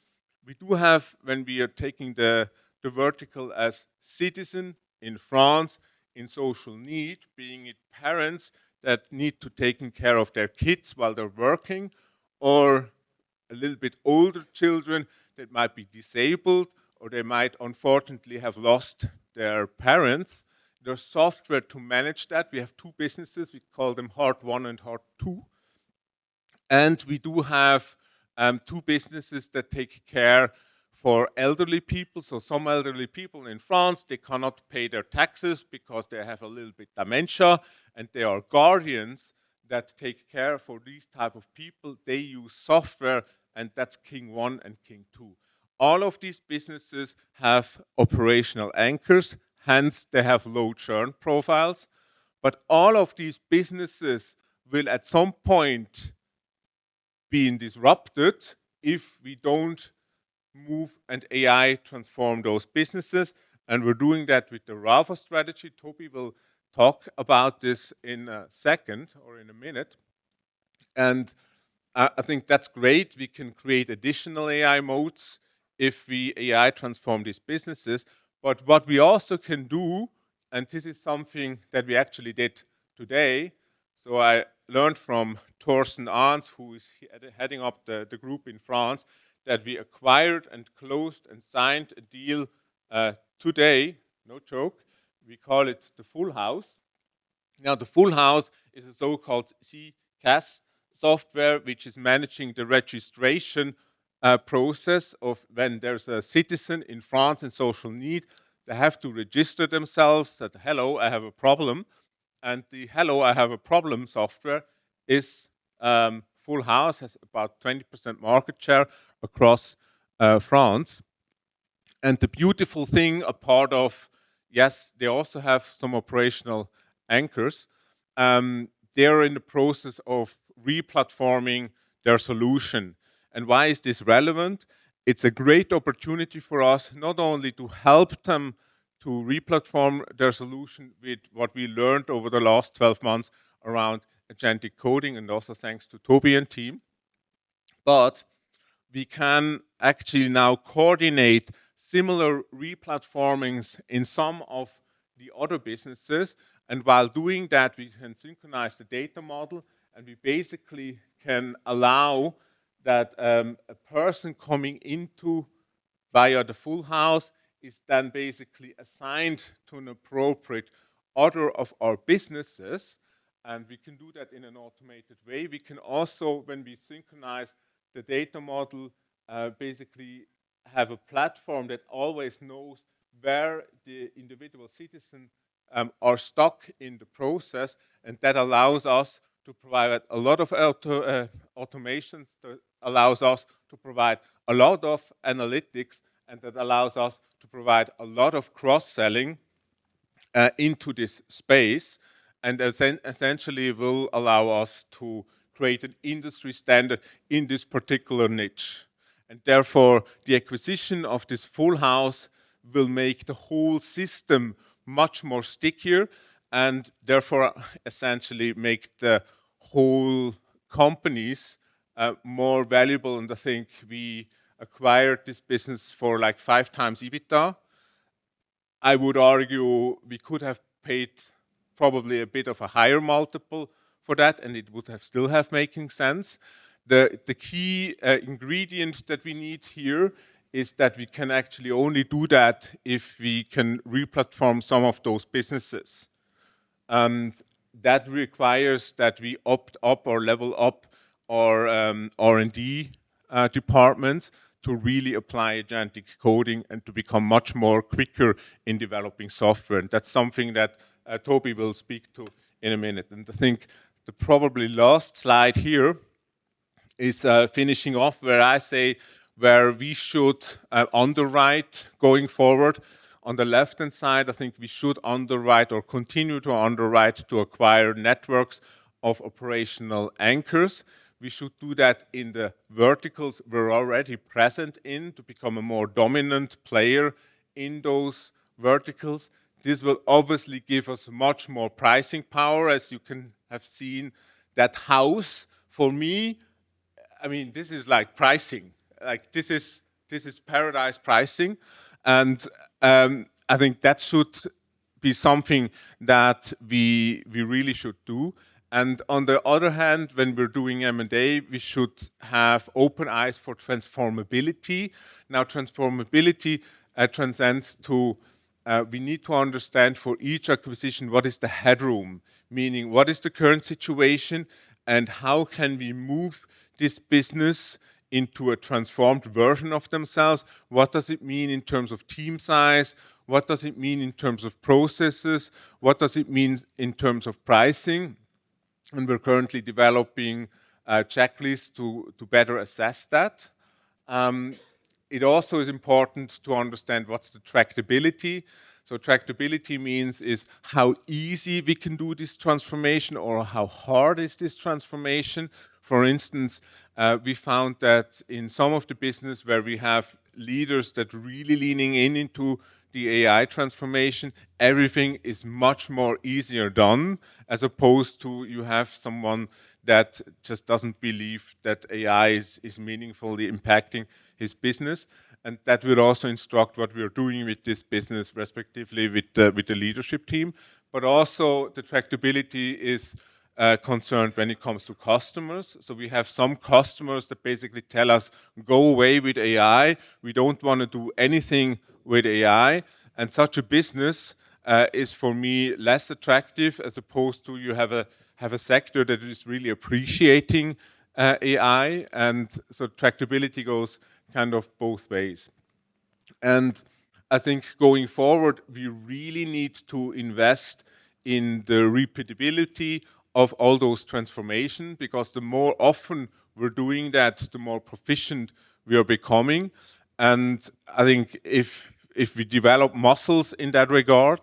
We do have when we are taking the vertical as citizen in France in social need, being it parents that need to taking care of their kids while they are working or a little bit older children that might be disabled or they might unfortunately have lost their parents. There is software to manage that. We have two businesses. We call them Heart One and Heart Two. We do have two businesses that take care of elderly people. Some elderly people in France, they cannot pay their taxes because they have a little bit dementia, and there are guardians that take care of these types of people. They use software, and that is King One and King Two. All of these businesses have operational anchors, hence they have low churn profiles. All of these businesses will at some point be disrupted if we do not move and AI transform those businesses. We are doing that with the RAFO strategy. Toby will talk about this in a second or in a minute, and I think that is great. We can create additional AI modes if we AI transform these businesses. What we also can do, and this is something that we actually did today. I learned from Thorsten Ahns, who is heading up the group in France, that we acquired and closed and signed a deal today, no joke. We call it the Full House. The Full House is a so-called CCaaS software, which is managing the registration process of when there is a citizen in France in social need, they have to register themselves, say, "Hello, I have a problem." The hello, I have a problem software is Full House, has about 20% market share across France. The beautiful thing, a part of, yes, they also have some operational anchors. They are in the process of re-platforming their solution. Why is this relevant? It is a great opportunity for us not only to help them to re-platform their solution with what we learned over the last 12 months around agentic coding, and also thanks to Toby and team, but we can actually now coordinate similar re-platformings in some of the other businesses. While doing that, we can synchronize the data model, and we basically can allow that a person coming into via the Full House is then basically assigned to an appropriate order of our businesses, and we can do that in an automated way. We can also, when we synchronize the data model, basically have a platform that always knows where the individual citizen are stuck in the process, and that allows us to provide a lot of automations, allows us to provide a lot of analytics, and that allows us to provide a lot of cross-selling into this space, and essentially will allow us to create an industry standard in this particular niche. Therefore, the acquisition of this Full House will make the whole system much more stickier and therefore, essentially make the whole companies more valuable. I think we acquired this business for like 5x EBITDA. I would argue we could have paid probably a bit of a higher multiple for that, and it would have still have making sense. The key ingredient that we need here is that we can actually only do that if we can re-platform some of those businesses, and that requires that we opt up or level up our R&D departments to really apply agentic coding and to become much more quicker in developing software. That's something that Toby will speak to in a minute. I think the probably last slide here is finishing off where I say where we should underwrite going forward. On the left-hand side, I think we should underwrite or continue to underwrite to acquire networks of operational anchors. We should do that in the verticals we're already present in to become a more dominant player in those verticals. This will obviously give us much more pricing power, as you can have seen that house. For me, I mean, this is like pricing. This is paradise pricing. I think that should be something that we really should do. On the other hand, when we're doing M&A, we should have open eyes for transformability. Now, transformability transcends to we need to understand for each acquisition, what is the headroom? Meaning, what is the current situation and how can we move this business into a transformed version of themselves? What does it mean in terms of team size? What does it mean in terms of processes? What does it mean in terms of pricing? We're currently developing a checklist to better assess that. It also is important to understand what's the tractability. Tractability means is how easy we can do this transformation or how hard is this transformation. For instance, we found that in some of the business where we have leaders that really leaning in into the AI transformation, everything is much more easier done as opposed to you have someone that just doesn't believe that AI is meaningfully impacting his business. That will also instruct what we are doing with this business respectively with the leadership team. Also, the tractability is concerned when it comes to customers. We have some customers that basically tell us, "Go away with AI. We don't want to do anything with AI." Such a business is, for me, less attractive as opposed to you have a sector that is really appreciating AI, and so tractability goes both ways. I think going forward, we really need to invest in the repeatability of all those transformations, because the more often we are doing that, the more proficient we are becoming. I think if we develop muscles in that regard,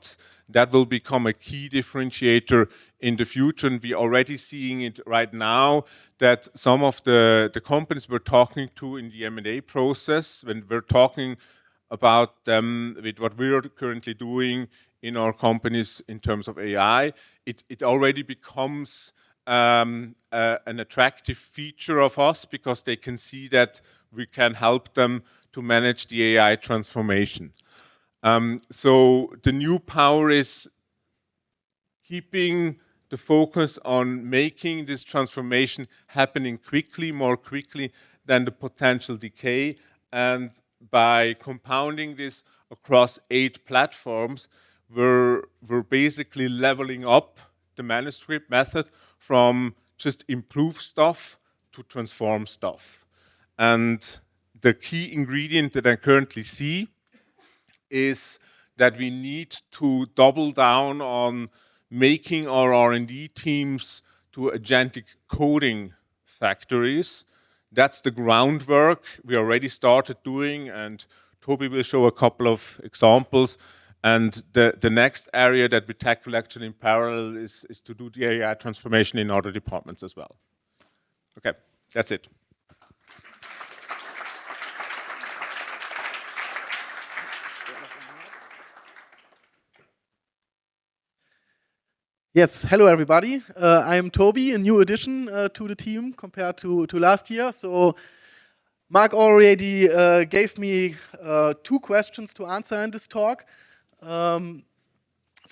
that will become a key differentiator in the future. We are already seeing it right now that some of the companies we are talking to in the M&A process, when we are talking about with what we are currently doing in our companies in terms of AI, it already becomes an attractive feature of us because they can see that we can help them to manage the AI transformation. The new power is keeping the focus on making this transformation happening quickly, more quickly than the potential decay. By compounding this across eight platforms, we are basically leveling up the Manuscript Method from just improve stuff to transform stuff. The key ingredient that I currently see is that we need to double down on making our R&D teams to agentic coding factories. That is the groundwork we already started doing. Toby will show a couple of examples. The next area that we tackle actually in parallel is to do the AI transformation in other departments as well. Okay, that is it. Yes. Hello, everybody. I am Toby, a new addition to the team compared to last year. So, Marc already gave me two questions to answer in this talk.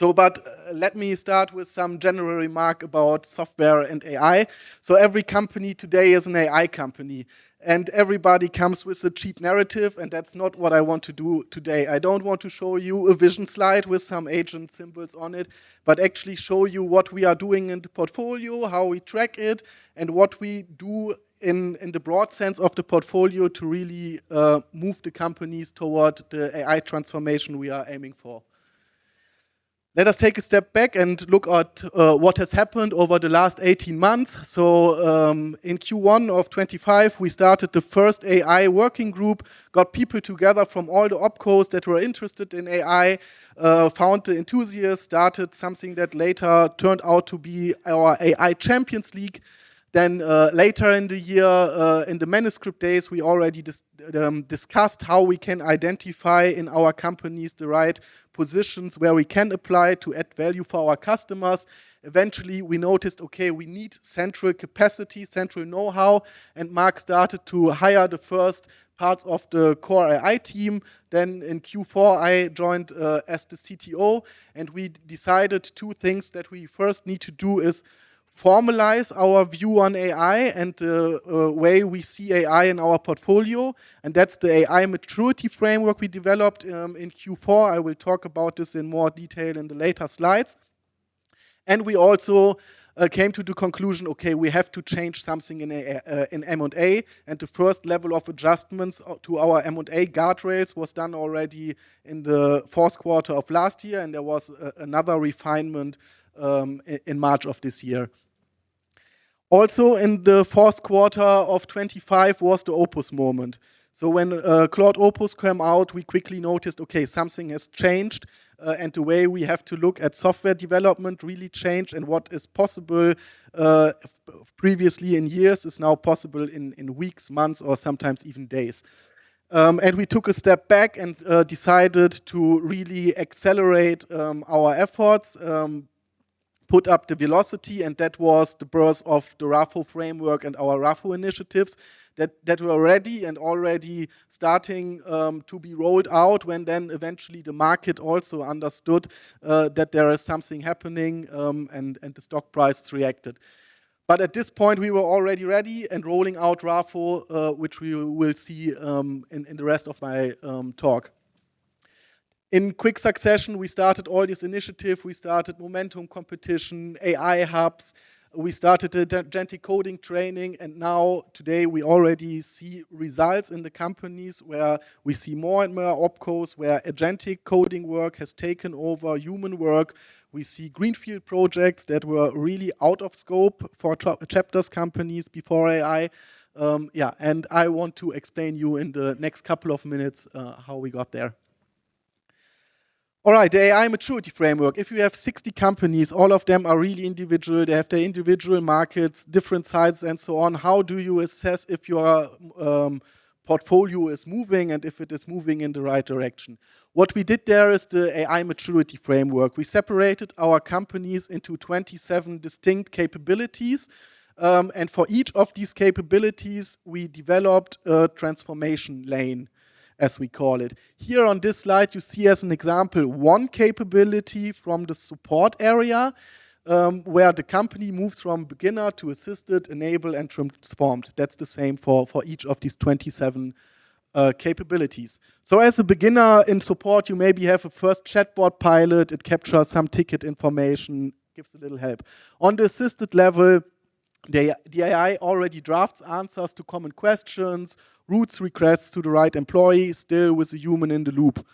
Let me start with some general remark about software and AI. Every company today is an AI company. Everybody comes with a cheap narrative. That is not what I want to do today. I do not want to show you a vision slide with some agent symbols on it but actually show you what we are doing in the portfolio, how we track it, and what we do in the broad sense of the portfolio to really move the companies toward the AI transformation we are aiming for. Let us take a step back and look at what has happened over the last 18 months. In Q1 of 2025, we started the first AI working group, got people together from all the OpCos that were interested in AI, found the enthusiasts, started something that later turned out to be our AI Champions League. Later in the year, in the Manuscript days, we already discussed how we can identify in our companies the right positions where we can apply to add value for our customers. Eventually, we noticed, okay, we need central capacity, central knowhow. Marc started to hire the first parts of the core AI team. In Q4, I joined as the CTO. We decided two things that we first need to do is formalize our view on AI and the way we see AI in our portfolio. That is the AI maturity framework we developed in Q4. I will talk about this in more detail in the later slides. We also came to the conclusion, okay, we have to change something in M&A. The first level of adjustments to our M&A guardrails was done already in the fourth quarter of last year, and there was another refinement in March of this year. Also, in the fourth quarter of 2025 was the Opus moment. So when Claude Opus came out, we quickly noticed, okay, something has changed. The way we have to look at software development really changed and what is possible previously in years is now possible in weeks, months, or sometimes even days. We took a step back and decided to really accelerate our efforts, put up the velocity, and that was the birth of the RAFO framework and our RAFO initiatives that were ready and already starting to be rolled out when then eventually the market also understood that there is something happening and the stock price reacted. But at this point, we were already ready and rolling out RAFO, which we will see in the rest of my talk. In quick succession, we started all these initiatives. We started momentum competition, AI Hubs. We started agentic coding training, and now today, we already see results in the companies where we see more and more OpCos, where agentic coding work has taken over human work. We see greenfield projects that were really out of scope for CHAPTERS companies before AI. I want to explain to you in the next couple of minutes how we got there. All right. The AI maturity framework. If you have 60 companies, all of them are really individual. They have their individual markets, different sizes, and so on. How do you assess if your portfolio is moving and if it is moving in the right direction? What we did there is the AI maturity framework. We separated our companies into 27 distinct capabilities, and for each of these capabilities, we developed a transformation lane, as we call it. Here on this slide, you see as an example, one capability from the support area, where the company moves from beginner to assisted, enable, and transformed. That's the same for each of these 27 capabilities. So as a beginner in support, you maybe have a first chatbot pilot. It captures some ticket information, gives a little help. On the assisted level, the AI already drafts answers to common questions, routes requests to the right employee, still with a human in the loop.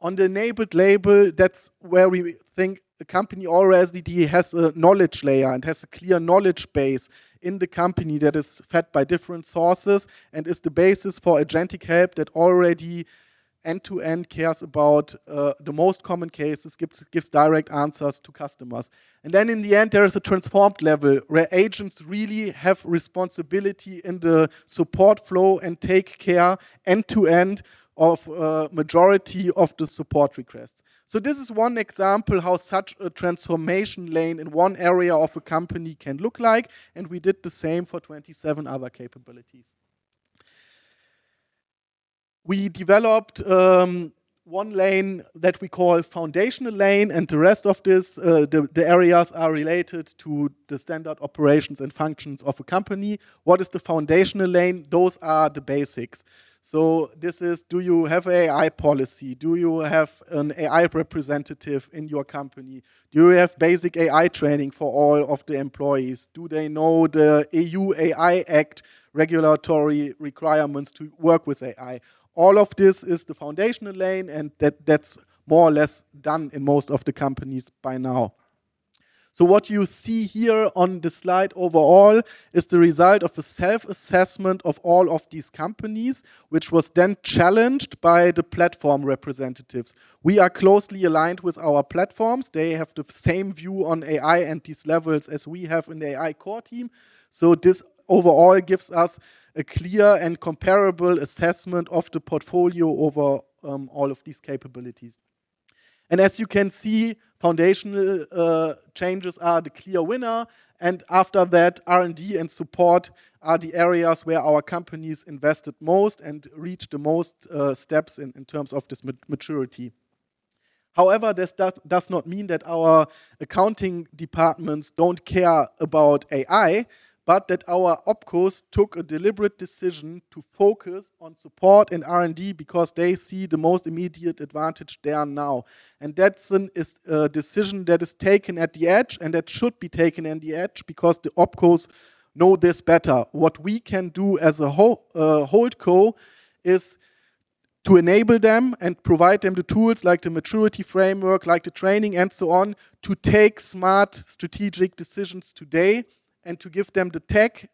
On the enabled level, that's where we think the company or SDD has a knowledge layer and has a clear knowledge base in the company that is fed by different sources and is the basis for agentic help that already end-to-end cares about the most common cases, gives direct answers to customers. Then in the end, there is a transformed level where agents really have responsibility in the support flow and take care end-to-end of a majority of the support requests. So this is one example how such a transformation lane in one area of a company can look like, and we did the same for 27 other capabilities. We developed one lane that we call foundational lane, and the rest of the areas are related to the standard operations and functions of a company. What is the foundational lane? Those are the basics. This is, do you have AI policy? Do you have an AI representative in your company? Do you have basic AI training for all of the employees? Do they know the EU AI Act regulatory requirements to work with AI? All of this is the foundational lane, and that's more or less done in most of the companies by now. What you see here on the slide overall is the result of a self-assessment of all of these companies, which was then challenged by the platform representatives. We are closely aligned with our platforms. They have the same view on AI and these levels as we have in the AI core team. This, overall, gives us a clear and comparable assessment of the portfolio over all of these capabilities. As you can see, foundational changes are the clear winner. After that, R&D and support are the areas where our companies invested most and reached the most steps in terms of this maturity. However, this does not mean that our accounting departments don't care about AI, but that our OpCos took a deliberate decision to focus on support and R&D because they see the most immediate advantage there now. That's a decision that is taken at the edge, and that should be taken in the edge because the OpCos know this better. What we can do as a HoldCo is to enable them and provide them the tools like the maturity framework, like the training and so on, to take smart strategic decisions today and to give them the tech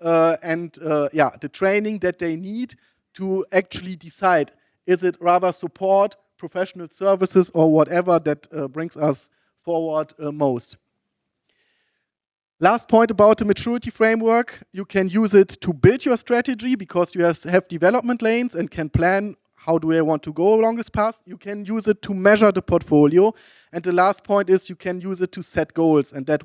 and the training that they need to actually decide, is it rather support professional services or whatever that brings us forward most. Last point about the maturity framework, you can use it to build your strategy because you have development lanes and can plan how do I want to go along this path. You can use it to measure the portfolio. The last point is you can use it to set goals, and that's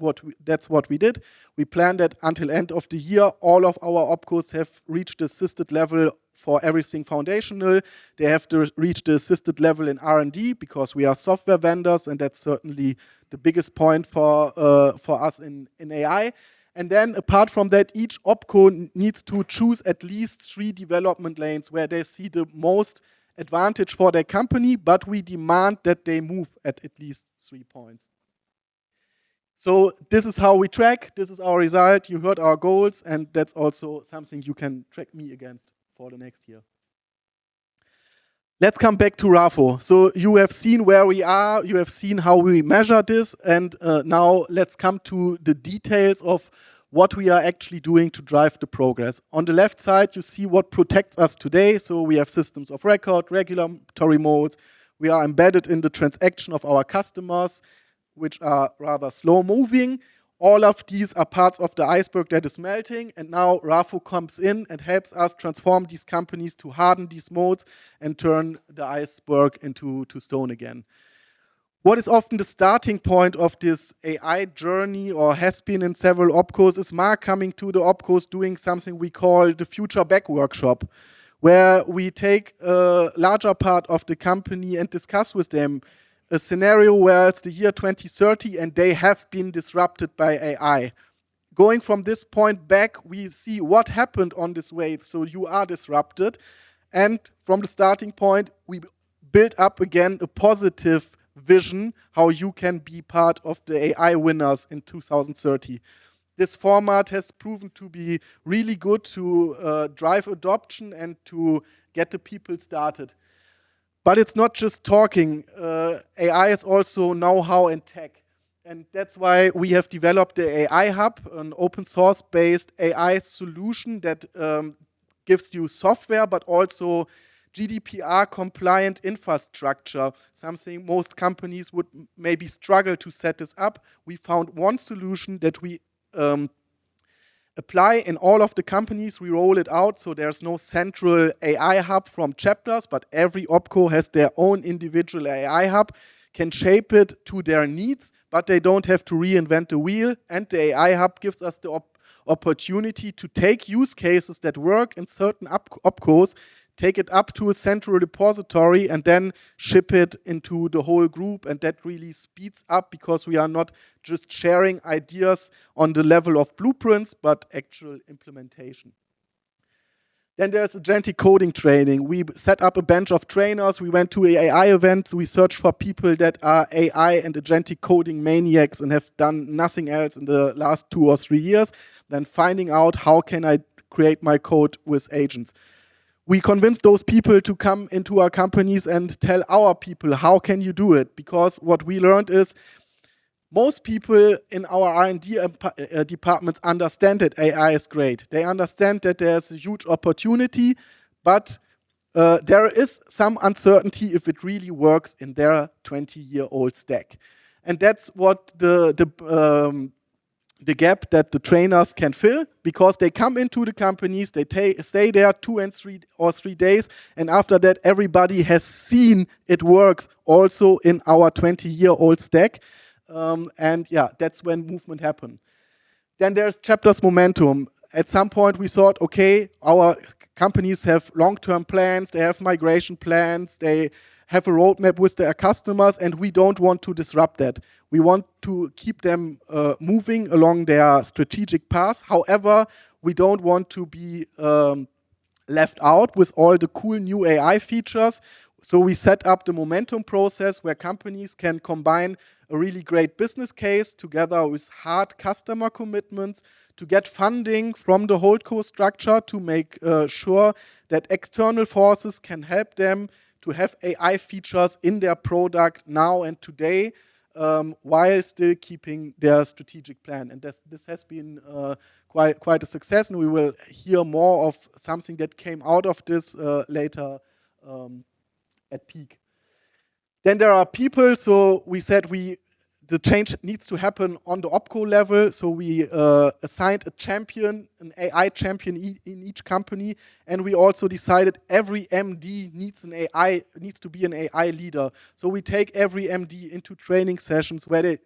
what we did. We planned that until end of the year, all of our OpCos have reached assisted level for everything foundational. They have to reach the assisted level in R&D because we are software vendors, and that's certainly the biggest point for us in AI. Apart from that, each OpCo needs to choose at least three development lanes where they see the most advantage for their company, but we demand that they move at least three points. This is how we track, this is our result, you heard our goals, and that's also something you can track me against for the next year. Let's come back to RAFO. You have seen where we are, you have seen how we measure this and now, let's come to the details of what we are actually doing to drive the progress. On the left side, you see what protects us today. We have systems of record, regulatory modes. We are embedded in the transaction of our customers, which are rather slow-moving. All of these are parts of the iceberg that is melting. Now, RAFO comes in and helps us transform these companies to harden these modes and turn the iceberg into stone again. What is often the starting point of this AI journey or has been in several OpCos is Marc coming to the OpCos doing something we call the Future Back Workshop, where we take a larger part of the company and discuss with them a scenario where it's the year 2030 and they have been disrupted by AI. Going from this point back, we see what happened on this wave. You are disrupted, and from the starting point, we build up again a positive vision how you can be part of the AI winners in 2030. This format has proven to be really good to drive adoption and to get the people started. But it's not just talking. AI is also know-how and tech, and that's why we have developed the AI Hub, an open source-based AI solution that gives you software, but also GDPR compliant infrastructure, something most companies would maybe struggle to set this up. We found one solution that we apply in all of the companies. We roll it out so there's no central AI Hub from CHAPTERS, but every OpCo has their own individual AI Hub, can shape it to their needs, but they don't have to reinvent the wheel. The AI Hub gives us the opportunity to take use cases that work in certain OpCos, take it up to a central repository, and then ship it into the whole group. That really speeds up because we are not just sharing ideas on the level of blueprints, but actual implementation. Then, theqre's agentic coding training. We set up a bunch of trainers. We went to AI events. We searched for people that are AI and agentic coding maniacs and have done nothing else in the last two or three years than finding out how can I create my code with agents. We convinced those people to come into our companies and tell our people, how can you do it? Because what we learned is most people in our R&D departments understand that AI is great. They understand that there's a huge opportunity, but there is some uncertainty if it really works in their 20-year-old stack. That's what the gap that the trainers can fill, because they come into the companies, they stay there two or three days, and after that, everybody has seen it works also in our 20-year-old stack. That's when movement happened. There's CHAPTERS Momentum. At some point, we thought, okay, our companies have long-term plans, they have migration plans, they have a roadmap with their customers, and we don't want to disrupt that. We want to keep them moving along their strategic path. However, we don't want to be left out with all the cool new AI features. So, we set up the Momentum process where companies can combine a really great business case together with hard customer commitments to get funding from the HoldCo structure to make sure that external forces can help them to have AI features in their product now and today, whilst still keeping their strategic plan. This has been quite a success and we will hear more of something that came out of this later at Peak. Then, there are people. So, we said the change needs to happen on the OpCo level, so we assigned a champion, an AI champion in each company, and we also decided every MD needs to be an AI leader. We take every MD into training sessions where they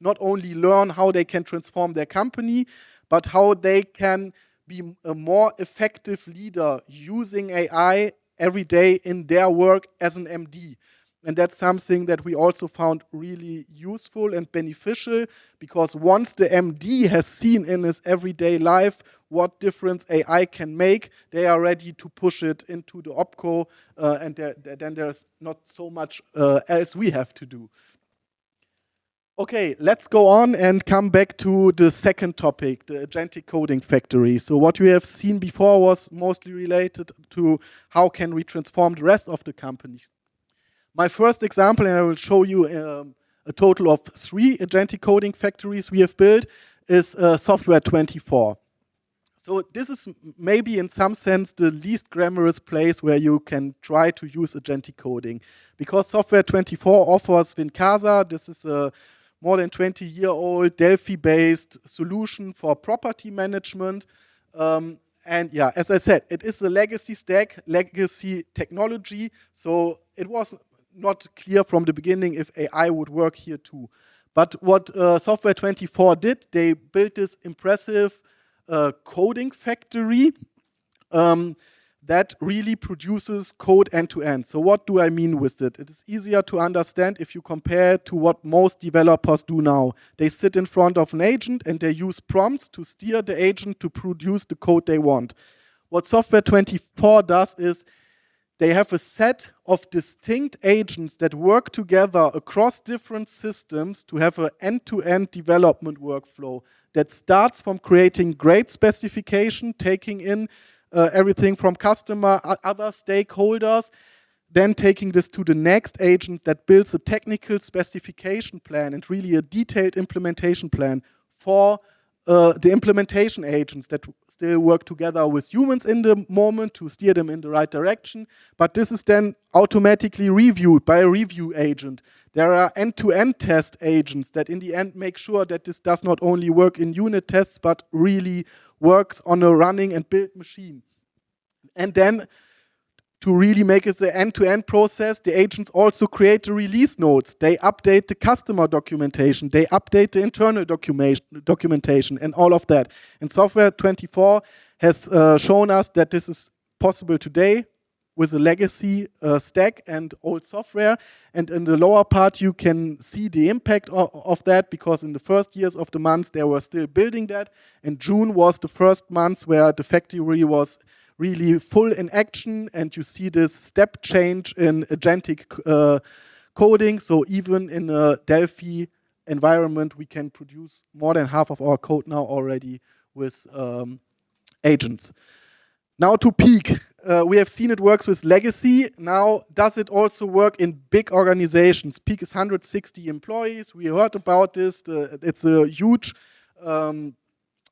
not only learn how they can transform their company, but how they can be a more effective leader using AI every day in their work as an MD. That's something that we also found really useful and beneficial because once the MD has seen in his everyday life what difference AI can make, they are ready to push it into the OpCo, and then there's not so much else we have to do. Okay. Let's go on and come back to the second topic, the agentic coding factory. What we have seen before was mostly related to how can we transform the rest of the companies. My first example, and I will show you a total of three agentic coding factories we have built, is Software24. This is maybe, in some sense, the least glamorous place where you can try to use agentic coding, because Software24 offers WIN-CASA. This is a more than 20-year-old Delphi-based solution for property management. As I said, it is a legacy stack, legacy technology, so it was not clear from the beginning if AI would work here too. But what Software24 did, they built this impressive coding factory that really produces code end to end. What do I mean with that? It is easier to understand if you compare to what most developers do now. They sit in front of an agent, and they use prompts to steer the agent to produce the code they want. What Software24 does is they have a set of distinct agents that work together across different systems to have an end-to-end development workflow that starts from creating great specification, taking in everything from customer, other stakeholders, then taking this to the next agent that builds a technical specification plan and really a detailed implementation plan for the implementation agents that still work together with humans in the moment to steer them in the right direction. This is then automatically reviewed by a review agent. There are end-to-end test agents that in the end make sure that this does not only work in unit tests but really works on a running and built machine. Then, to really make it an end-to-end process, the agents also create the release notes. They update the customer documentation, they update the internal documentation, and all of that. Software24 has shown us that this is possible today with a legacy stack and old software. In the lower part, you can see the impact of that because in the first years of the months they were still building that, June was the first month where the factory was really full in action and you see this step change in agentic coding. Even in a Delphi environment, we can produce more than half of our code now already with agents. Now, to Peak. We have seen it works with legacy. Does it also work in big organizations? Peak is 160 employees. We heard about this. It is a huge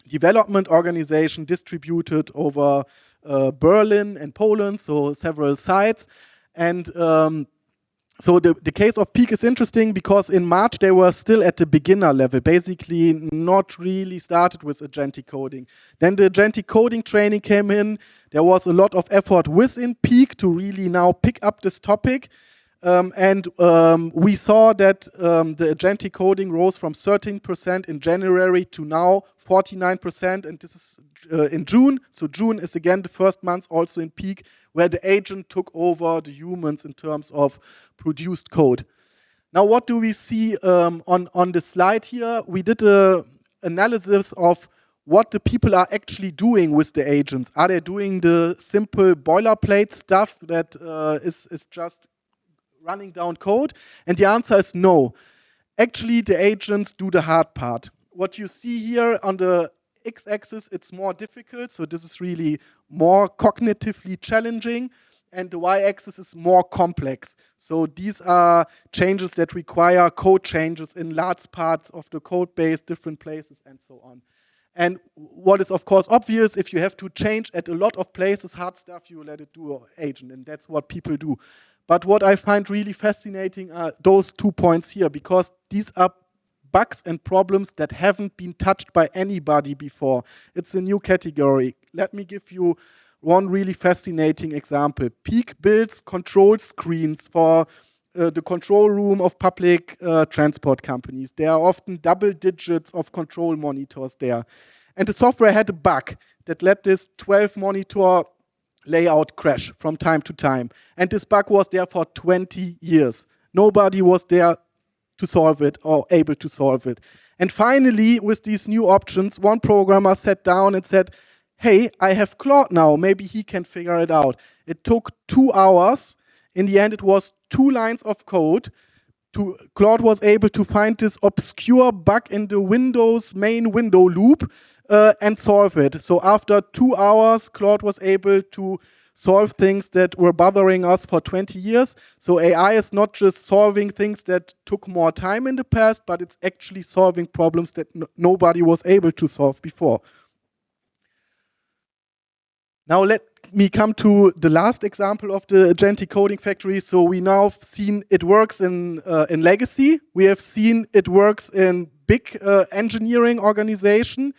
development organization distributed over Berlin and Poland, so several sites. The case of Peak is interesting because in March, they were still at the beginner level, basically not really started with agentic coding. Then, the agentic coding training came in. There was a lot of effort within Peak to really now pick up this topic. We saw that the agentic coding rose from 13% in January to now 49%, and this is in June. June is again the first month also in Peak where the agent took over the humans in terms of produced code. Now, what do we see on this slide here? We did an analysis of what the people are actually doing with the agents. Are they doing the simple boilerplate stuff that is just running down code? The answer is no. Actually, the agents do the hard part. What you see here on the x-axis, it is more difficult, this is really more cognitively challenging. The y-axis is more complex. These are changes that require code changes in large parts of the code base, different places, and so on. What is of course obvious, if you have to change at a lot of places, hard stuff, you let it to an agent, and that is what people do. What I find really fascinating are those two points here, because these are bugs and problems that have not been touched by anybody before. It is a new category. Let me give you one really fascinating example. Peak builds control screens for the control room of public transport companies. There are often double digits of control monitors there. The software had a bug that let this 12-monitor layout crash from time to time. This bug was there for 20 years. Nobody was there to solve it or able to solve it. Finally, with these new options, one programmer sat down and said, "Hey, I have Claude now. Maybe he can figure it out." It took two hours. In the end, it was two lines of code. Claude was able to find this obscure bug in the window's main window loop and solve it. After two hours, Claude was able to solve things that were bothering us for 20 years. AI is not just solving things that took more time in the past, but it is actually solving problems that nobody was able to solve before. Let me come to the last example of the agentic coding factory. We now have seen it works in legacy. We have seen it works in big engineering organization.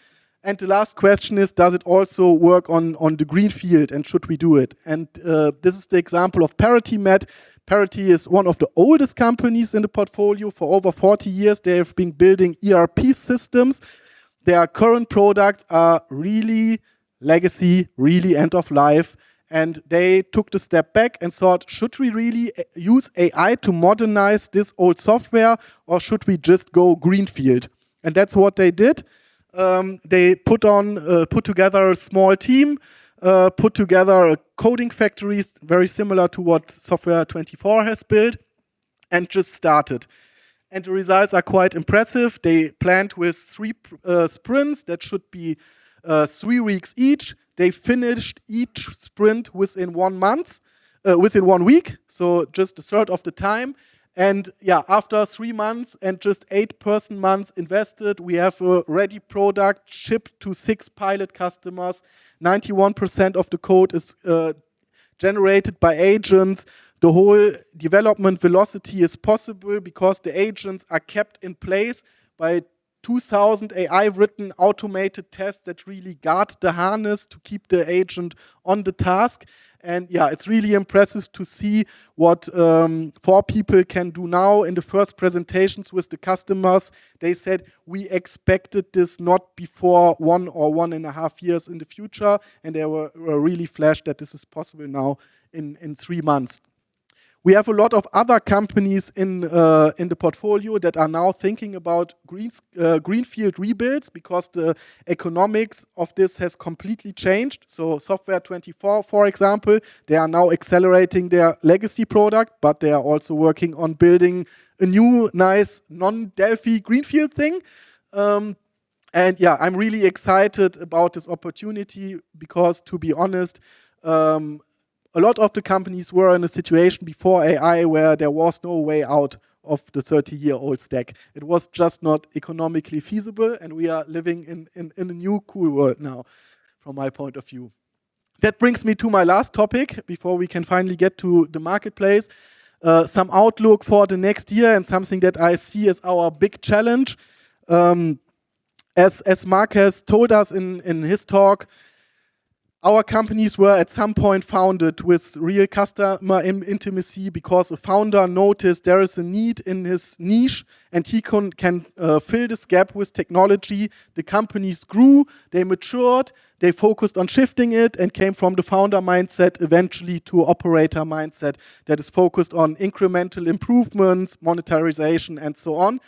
The last question is, does it also work on the greenfield, and should we do it? This is the example of Parity. Parity is one of the oldest companies in the portfolio. For over 40 years, they have been building ERP systems. Their current products are really legacy, really end of life. They took the step back and thought, "Should we really use AI to modernize this old software, or should we just go greenfield?" That's what they did. They put together a small team, put together a coding factory, very similar to what Software24 has built, and just started. The results are quite impressive. They planned with three sprints. That should be three weeks each. They finished each sprint within one week, so just a third of the time. After three months and just eight person months invested, we have a ready product shipped to six pilot customers. 91% of the code is generated by agents. The whole development velocity is possible because the agents are kept in place by 2,000 AI-written automated tests that really guard the harness to keep the agent on the task. It's really impressive to see what four people can do now. In the first presentations with the customers, they said, "We expected this not before one or one and a half years in the future," and they were really flashed that this is possible now in three months. We have a lot of other companies in the portfolio that are now thinking about greenfield rebuilds because the economics of this has completely changed. Software24, for example, they are now accelerating their legacy product, but they are also working on building a new, nice non-Delphi greenfield thing. I'm really excited about this opportunity because, to be honest, a lot of the companies were in a situation before AI where there was no way out of the 30-year-old stack. It was just not economically feasible. We are living in a new cool world now, from my point of view. That brings me to my last topic before we can finally get to the marketplace. Some outlook for the next year and something that I see as our big challenge. As Marc has told us in his talk, our companies were at some point founded with real customer intimacy because a founder noticed there is a need in his niche and he can fill this gap with technology. The companies grew. They matured. They focused on shifting it and came from the founder mindset eventually to operator mindset that is focused on incremental improvements, monetization, and so on.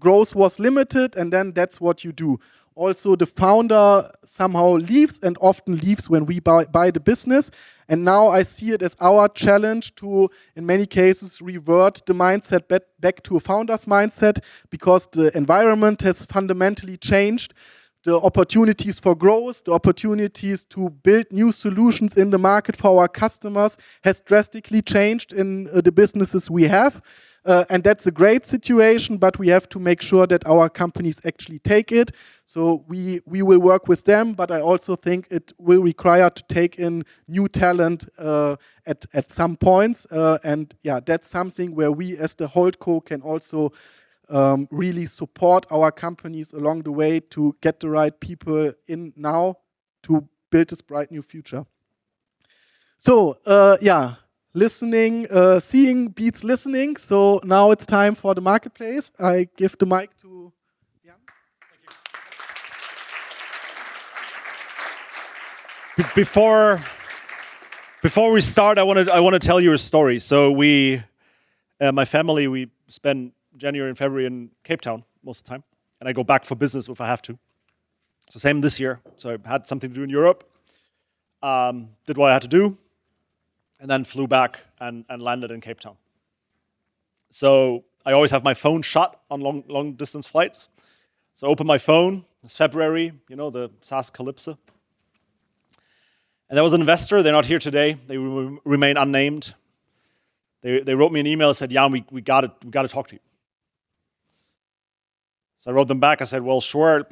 Growth was limited, and then that's what you do. Also, the founder somehow leaves and often leaves when we buy the business. Now, I see it as our challenge to, in many cases, revert the mindset back to a founder's mindset because the environment has fundamentally changed. The opportunities for growth, the opportunities to build new solutions in the market for our customers has drastically changed in the businesses we have. That's a great situation, but we have to make sure that our companies actually take it. We will work with them. I also think it will require to take in new talent at some point. That's something where we as the HoldCo can also really support our companies along the way to get the right people in now to build this bright new future. Seeing beats listening. Now, it's time for the marketplace. I give the mic to, yeah. Before we start, I want to tell you a story. My family, we spend January and February in Cape Town most of the time, and I go back for business if I have to. It's the same this year. I had something to do in Europe. Did what I had to do and then flew back and landed in Cape Town. I always have my phone shut on long-distance flights. I open my phone, in February, you know, the [SAS Kalypso]. There was an investor, they're not here today. They will remain unnamed. They wrote me an email and said, "Jan, we got to talk to you." I wrote them back, I said, "Sure,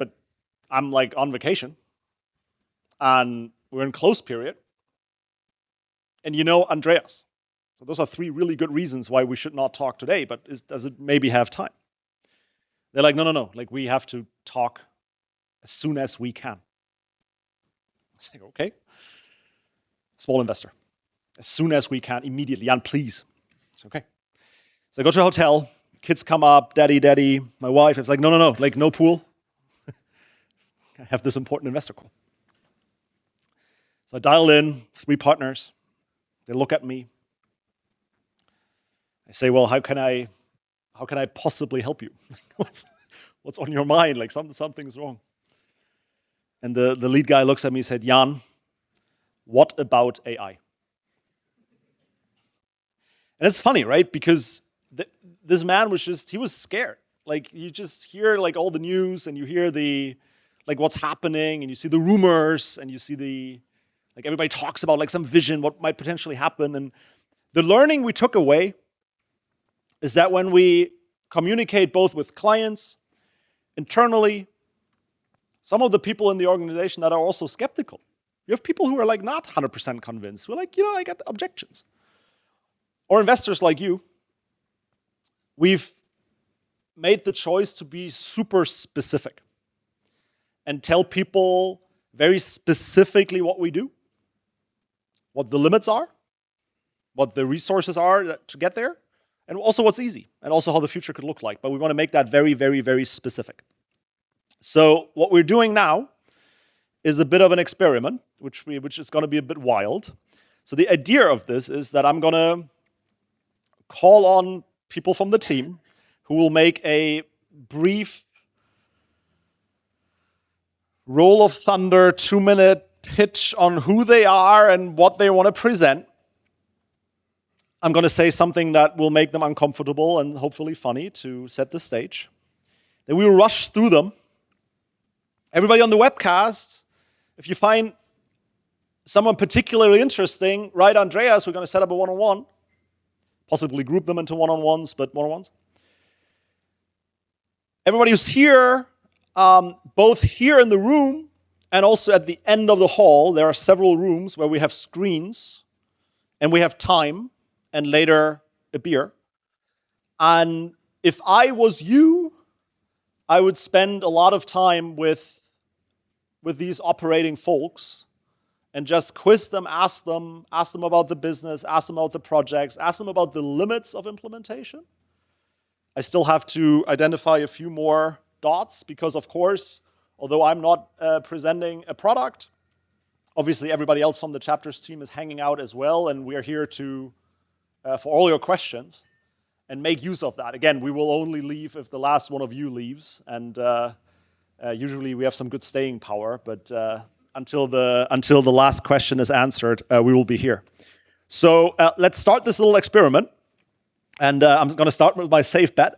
I'm on vacation, and we're in close period. You know Andreas. Those are three really good reasons why we should not talk today, but does it maybe have time?" They're like, "No, we have to talk as soon as we can." I say, "Okay." Small investor. "As soon as we can. Immediately, Jan, please." I say, "Okay." I go to the hotel, kids come up, "Daddy. Daddy." My wife. I was like, "No. No pool. I have this important investor call." I dial in three partners. They look at me. I say, "How can I possibly help you? What's on your mind? Something's wrong." The lead guy looks at me and said, "Jan, what about AI?" It's funny, right? Because this man was just scared. You just hear all the news and you hear what's happening, and you see the rumors, and you see everybody talks about some vision, what might potentially happen. The learning we took away is that when we communicate both with clients internally, some of the people in the organization that are also skeptical. You have people who are not 100% convinced, who are like, "I got objections." Or investors like you. We've made the choice to be super specific and tell people very specifically what we do, what the limits are, what the resources are to get there, and also what's easy, and also how the future could look like. We want to make that very, very specific. What we're doing now is a bit of an experiment, which is going to be a bit wild. The idea of this is that I'm going to call on people from the team who will make a brief roll of thunder, two-minute pitch on who they are and what they want to present. I'm going to say something that will make them uncomfortable and hopefully funny to set the stage. We'll rush through them. Everybody on the webcast, if you find someone particularly interesting, write Andreas, we're going to set up a one-on-one, possibly group them into one-on-ones, but one-on-ones. Everybody who's here, both here in the room and also at the end of the hall, there are several rooms where we have screens and we have time, and later a beer. If I was you, I would spend a lot of time with these operating folks and just quiz them, ask them about the business, ask them about the projects, ask them about the limits of implementation. I still have to identify a few more dots because, of course, although I'm not presenting a product, obviously, everybody else on the CHAPTERS team is hanging out as well. We are here for all your questions and make use of that. Again, we will only leave if the last one of you leaves. Usually, we have some good staying power. Until the last question is answered, we will be here. Let's start this little experiment. I'm going to start with my safe bet.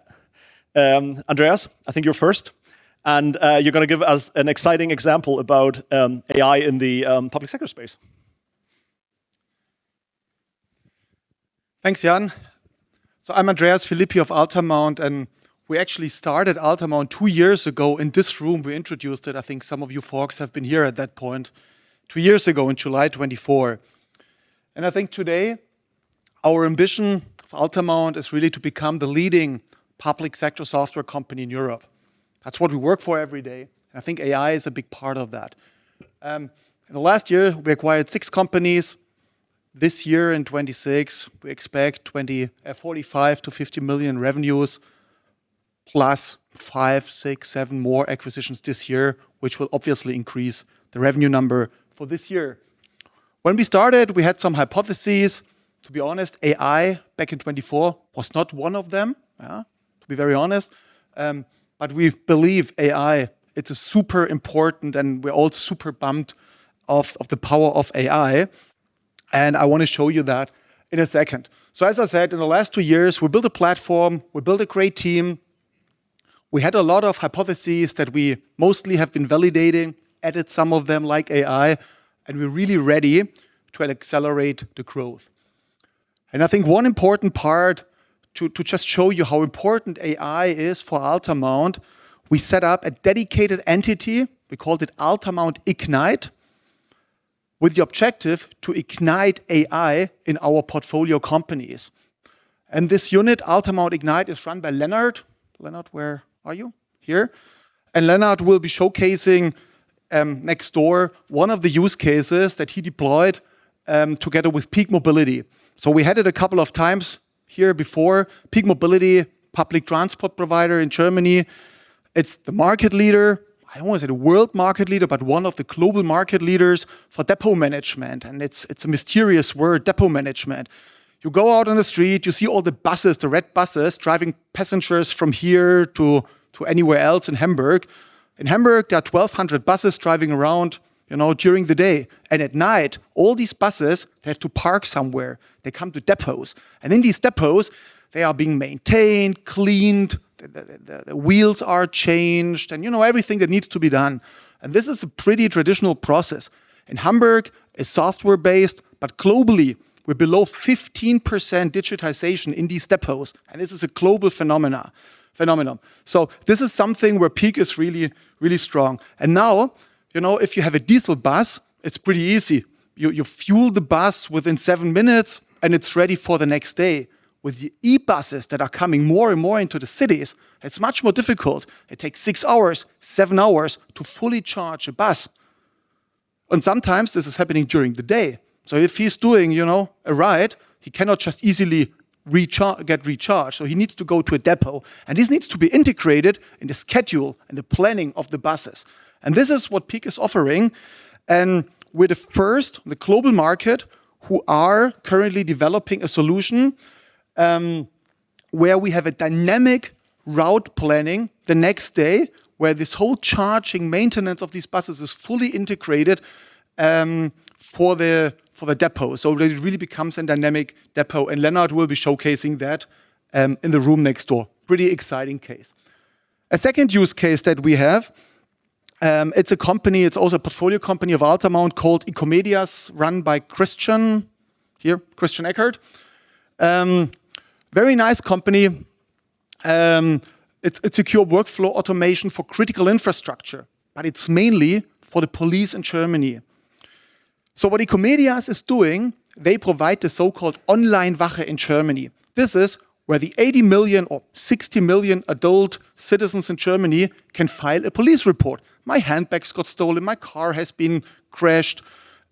Andreas, I think you're first, and you're going to give us an exciting example about AI in the public sector space. Thanks, Jan. I'm Andreas Philippi of Altamount. We actually started Altamount two years ago in this room. We introduced it, I think some of you folks have been here at that point, two years ago in July 2024. I think today our ambition for Altamount is really to become the leading public sector software company in Europe. That's what we work for every day. I think AI is a big part of that. In the last year, we acquired six companies. This year in 2026, we expect 45 million-50 million revenues plus five, six, seven more acquisitions this year, which will obviously increase the revenue number for this year. When we started, we had some hypotheses. To be honest, AI back in 2024 was not one of them, to be very honest. We believe AI, it's super important. We're all super pumped off of the power of AI. I want to show you that in a second. As I said, in the last two years, we built a platform, we built a great team. We had a lot of hypotheses that we mostly have been validating, added some of them like AI. We're really ready to accelerate the growth. I think one important part to just show you how important AI is for Altamount, we set up a dedicated entity. We called it Altamount Ignite, with the objective to ignite AI in our portfolio companies. This unit, Altamount Ignite, is run by Lennart. Lennart, where are you? Here. Lennart will be showcasing next door one of the use cases that he deployed together with Peak Mobility. We had it a couple of times here before. Peak Mobility, public transport provider in Germany. It's the market leader, I don't want to say the world market leader, but one of the global market leaders for depot management, and it's a mysterious word, depot management. You go out on the street, you see all the buses, the red buses, driving passengers from here to anywhere else in Hamburg. In Hamburg, there are 1,200 buses driving around during the day and at night, all these buses have to park somewhere. They come to depots. In these depots, they are being maintained, cleaned, the wheels are changed, and everything that needs to be done. This is a pretty traditional process. In Hamburg, it's software-based, but globally, we're below 15% digitization in these depots. This is a global phenomenon. This is something where Peak is really strong. Now, if you have a diesel bus, it's pretty easy. You fuel the bus within seven minutes and it's ready for the next day. With the e-buses that are coming more and more into the cities, it's much more difficult. It takes six hours, seven hours to fully charge a bus, and sometimes this is happening during the day. If he's doing a ride, he cannot just easily get recharged. He needs to go to a depot, and this needs to be integrated in the schedule and the planning of the buses. This is what Peak is offering, and we're the first in the global market who are currently developing a solution, where we have a dynamic route planning the next day, where this whole charging maintenance of these buses is fully integrated, for the depot. It really becomes a dynamic depot, and Lennart will be showcasing that in the room next door. Pretty exciting case. A second use case that we have, it's a company, it's also a portfolio company of Altamount called icomedias, run by Christian. Here, Christian Ekhart. Very nice company. It's a secure workflow automation for critical infrastructure, but it's mainly for the police in Germany. What icomedias is doing, they provide the so-called Onlinewache in Germany. This is where the 80 million or 60 million adult citizens in Germany can file a police report. My handbags got stolen, my car has been crashed,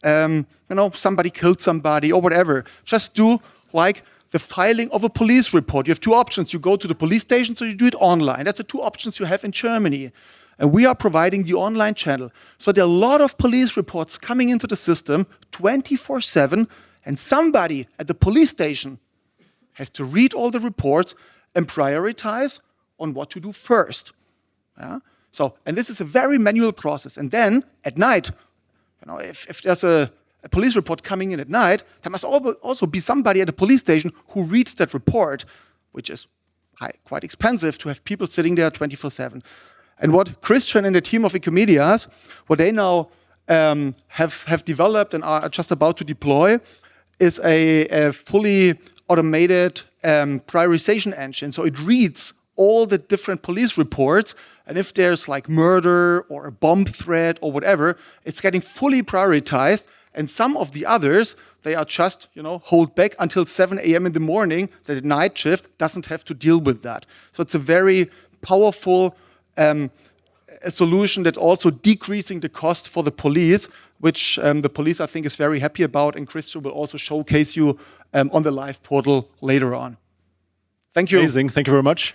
somebody killed somebody or whatever. Just do the filing of a police report. You have two options. You go to the police station, or you do it online. That's the two options you have in Germany, and we are providing the online channel. There are a lot of police reports coming into the system 24/7, and somebody at the police station has to read all the reports and prioritize on what to do first. This is a very manual process. Then, at night, if there's a police report coming in at night, there must also be somebody at the police station who reads that report, which is quite expensive to have people sitting there 24/7. What Christian and the team of icomedias, what they now have developed and are just about to deploy is a fully automated prioritization engine. It reads all the different police reports, and if there's murder or a bomb threat or whatever, it's getting fully prioritized. Some of the others, they are just held back until 7:00 A.M. in the morning, then the night shift doesn't have to deal with that. It's a very powerful solution that's also decreasing the cost for the police, which the police, I think, is very happy about. Christian will also showcase you on the live portal later on. Thank you. Amazing. Thank you very much.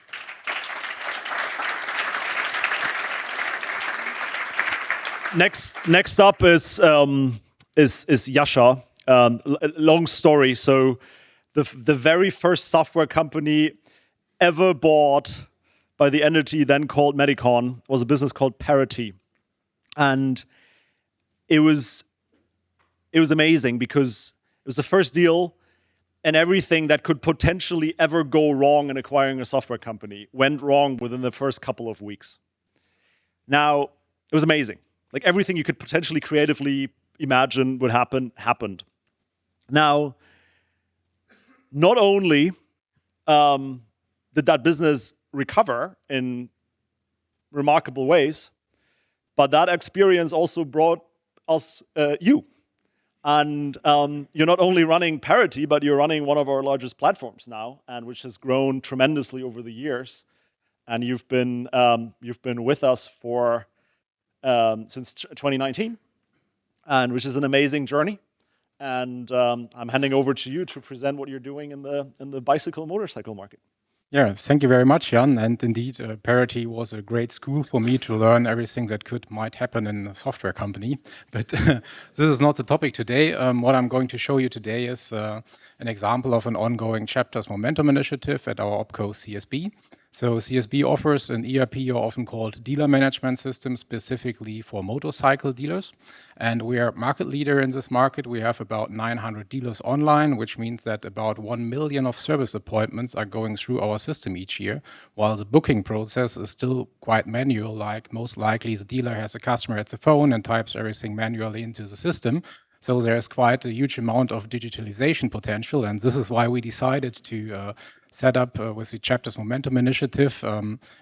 Next up is Jascha. Long story, so the very first software company ever bought by the entity then called MEDIQON was a business called Parity. It was amazing because it was the first deal, and everything that could potentially ever go wrong in acquiring a software company went wrong within the first couple of weeks. Now, it was amazing. Everything you could potentially creatively imagine would happen, happened. Not only did that business recover in remarkable ways, but that experience also brought us you. You're not only running Parity, but you're running one of our largest platforms now, and which has grown tremendously over the years. You've been with us since 2019, which is an amazing journey. I'm handing over to you to present what you're doing in the bicycle motorcycle market. Thank you very much, Jan. Indeed, Parity was a great school for me to learn everything that might happen in a software company. But this is not the topic today. What I'm going to show you today is an example of an ongoing CHAPTERS Momentum initiative at our OpCo, CSB. So, CSB offers an ERP, or often called dealer management system, specifically for motorcycle dealers. We are market leader in this market. We have about 900 dealers online, which means that about 1 million of service appointments are going through our system each year, while the booking process is still quite manual, like most likely, the dealer has a customer at the phone and types everything manually into the system. There is quite a huge amount of digitalization potential, and this is why we decided to set up with the CHAPTERS Momentum initiative,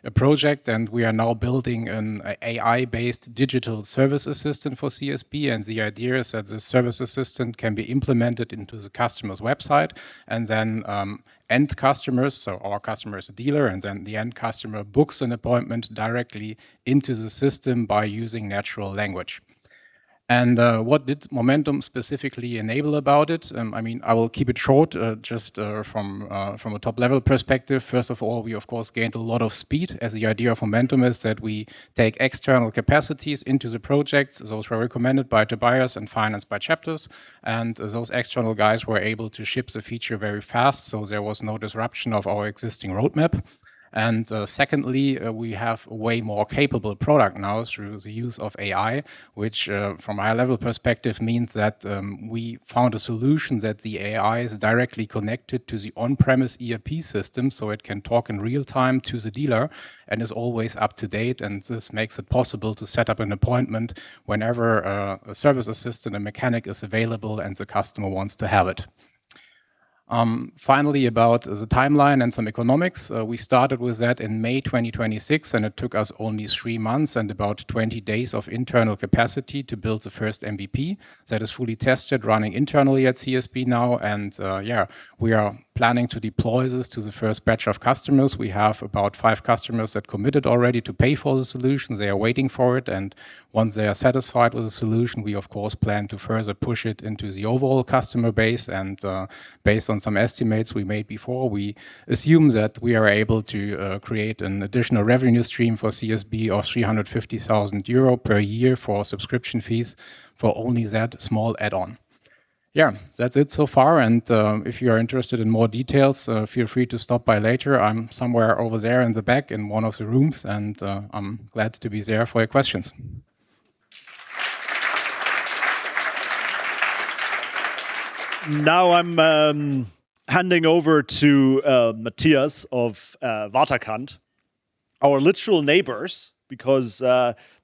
a project, and we are now building an AI-based digital service assistant for CSB. The idea is that the service assistant can be implemented into the customer's website and then end customers, so our customer is the dealer, and then the end customer books an appointment directly into the system by using natural language. What did Momentum specifically enable about it? I will keep it short, just from a top-level perspective. First of all, we of course gained a lot of speed, as the idea of Momentum is that we take external capacities into the projects. Those were recommended by Tobias and financed by CHAPTERS. Those external guys were able to ship the feature very fast, so there was no disruption of our existing roadmap. Secondly, we have a way more capable product now through the use of AI, which from a high-level perspective means that we found a solution that the AI is directly connected to the on-premise ERP system, so it can talk in real time to the dealer and is always up to date. This makes it possible to set up an appointment whenever a service assistant, a mechanic, is available and the customer wants to have it. Finally, about the timeline and some economics. We started with that in May 2026. It took us only three months and about 20 days of internal capacity to build the first MVP that is fully tested, running internally at CSB now. We are planning to deploy this to the first batch of customers. We have about five customers that committed already to pay for the solution. They are waiting for it. Once they are satisfied with the solution, we of course plan to further push it into the overall customer base. Based on some estimates we made before, we assume that we are able to create an additional revenue stream for CSB of 350,000 euro per year for subscription fees for only that small add-on. That's it so far. If you are interested in more details, feel free to stop by later. I'm somewhere over there in the back in one of the rooms. I'm glad to be there for your questions. Now, I'm handing over to Matthias of Waterkant, our literal neighbors, because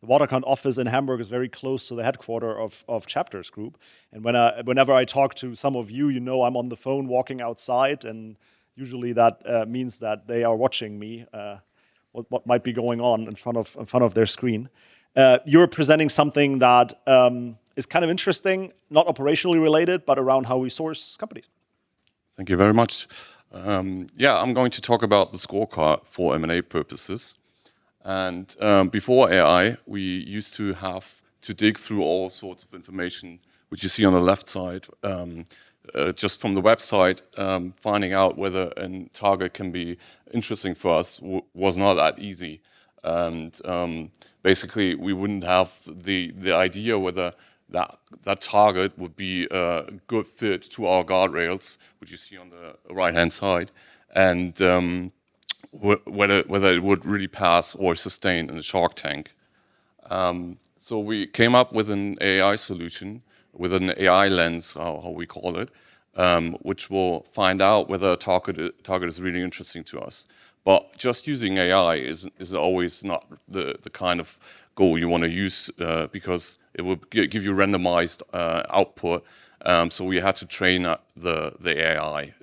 the Waterkant office in Hamburg is very close to the headquarter of CHAPTERS Group. Whenever I talk to some of you know I'm on the phone walking outside. Usually, that means that they are watching me, what might be going on in front of their screen. You're presenting something that is kind of interesting, not operationally related, but around how we source companies. Thank you very much. Yeah, I'm going to talk about the scorecard for M&A purposes. Before AI, we used to have to dig through all sorts of information, which you see on the left side. Just from the website, finding out whether a target can be interesting for us was not that easy. Basically, we wouldn't have the idea whether that target would be a good fit to our guardrails, which you see on the right-hand side, and whether it would really pass or sustain in a shark tank. We came up with an AI solution, with an AI lens, or we call it, which will find out whether a target is really interesting to us. But just using AI is always not the kind of goal you want to use, because it will give you randomized output. So, we had to train up the AI.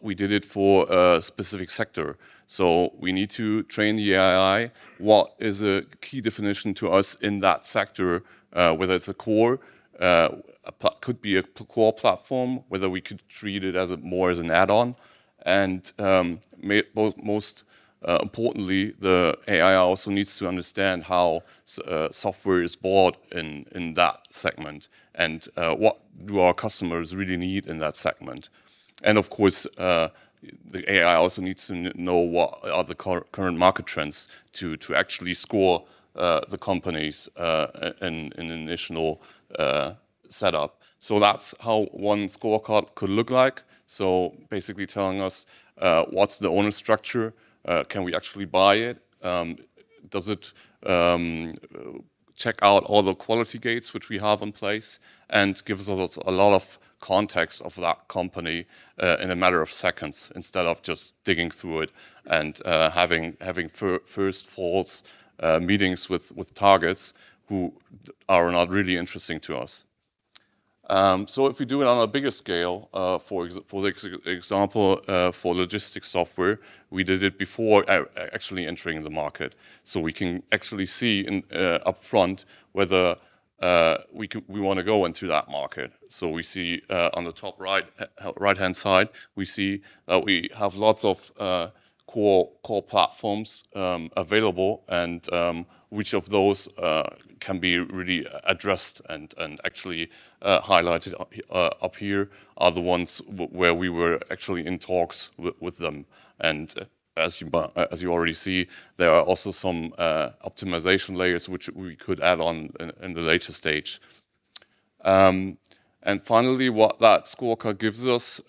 We did it for a specific sector. We need to train the AI what is a key definition to us in that sector, whether it's a core, it could be a core platform, whether we could treat it as more as an add-on. Most importantly, the AI also needs to understand how software is bought in that segment, and what do our customers really need in that segment. Of course, the AI also needs to know what are the current market trends to actually score the companies in an initial setup. That's how one scorecard could look like. Basically, telling us what's the owner structure, can we actually buy it? Does it check out all the quality gates which we have in place? Gives us a lot of context of that company in a matter of seconds instead of just digging through it and having first false meetings with targets who are not really interesting to us. If we do it on a bigger scale, for example for logistics software, we did it before actually entering the market. We can actually see upfront whether we want to go into that market. We see on the top right-hand side, we see that we have lots of core platforms available and which of those can be really addressed and actually highlighted up here are the ones where we were actually in talks with them. As you already see, there are also some optimization layers which we could add on in the later stage. Finally, what that scorecard gives us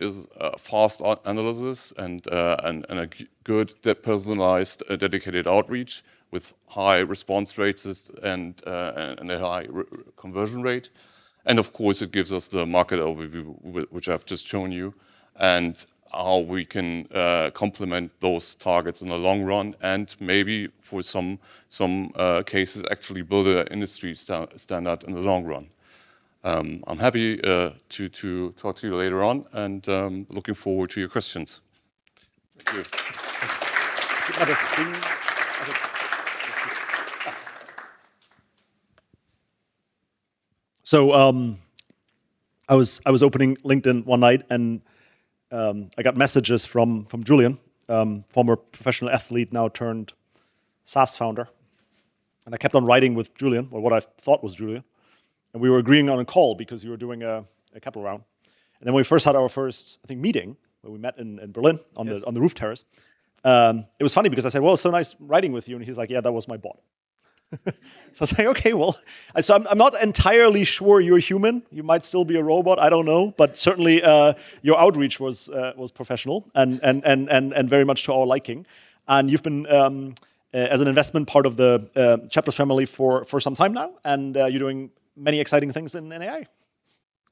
is fast analysis and a good personalized, dedicated outreach with high response rates and a high conversion rate. Of course, it gives us the market overview, which I've just shown you, and how we can complement those targets in the long run and maybe for some cases actually build an industry standard in the long run. I'm happy to talk to you later on and looking forward to your questions. Thank you. I was opening LinkedIn one night and I got messages from Julian, former professional athlete, now turned SaaS founder. I kept on writing with Julian, or what I thought was Julian, and we were agreeing on a call because you were doing a capital round. Then we first had our first, I think, meeting where we met in Berlin on the roof terrace. It was funny because I said, "Well, it's so nice writing with you." He's like, "Yeah, that was my bot." I say, "Okay. Well, I'm not entirely sure you're a human. You might still be a robot, I don't know, but certainly your outreach was professional and very much to our liking." You've been as an investment part of the CHAPTERS family for some time now, and you're doing many exciting things in AI.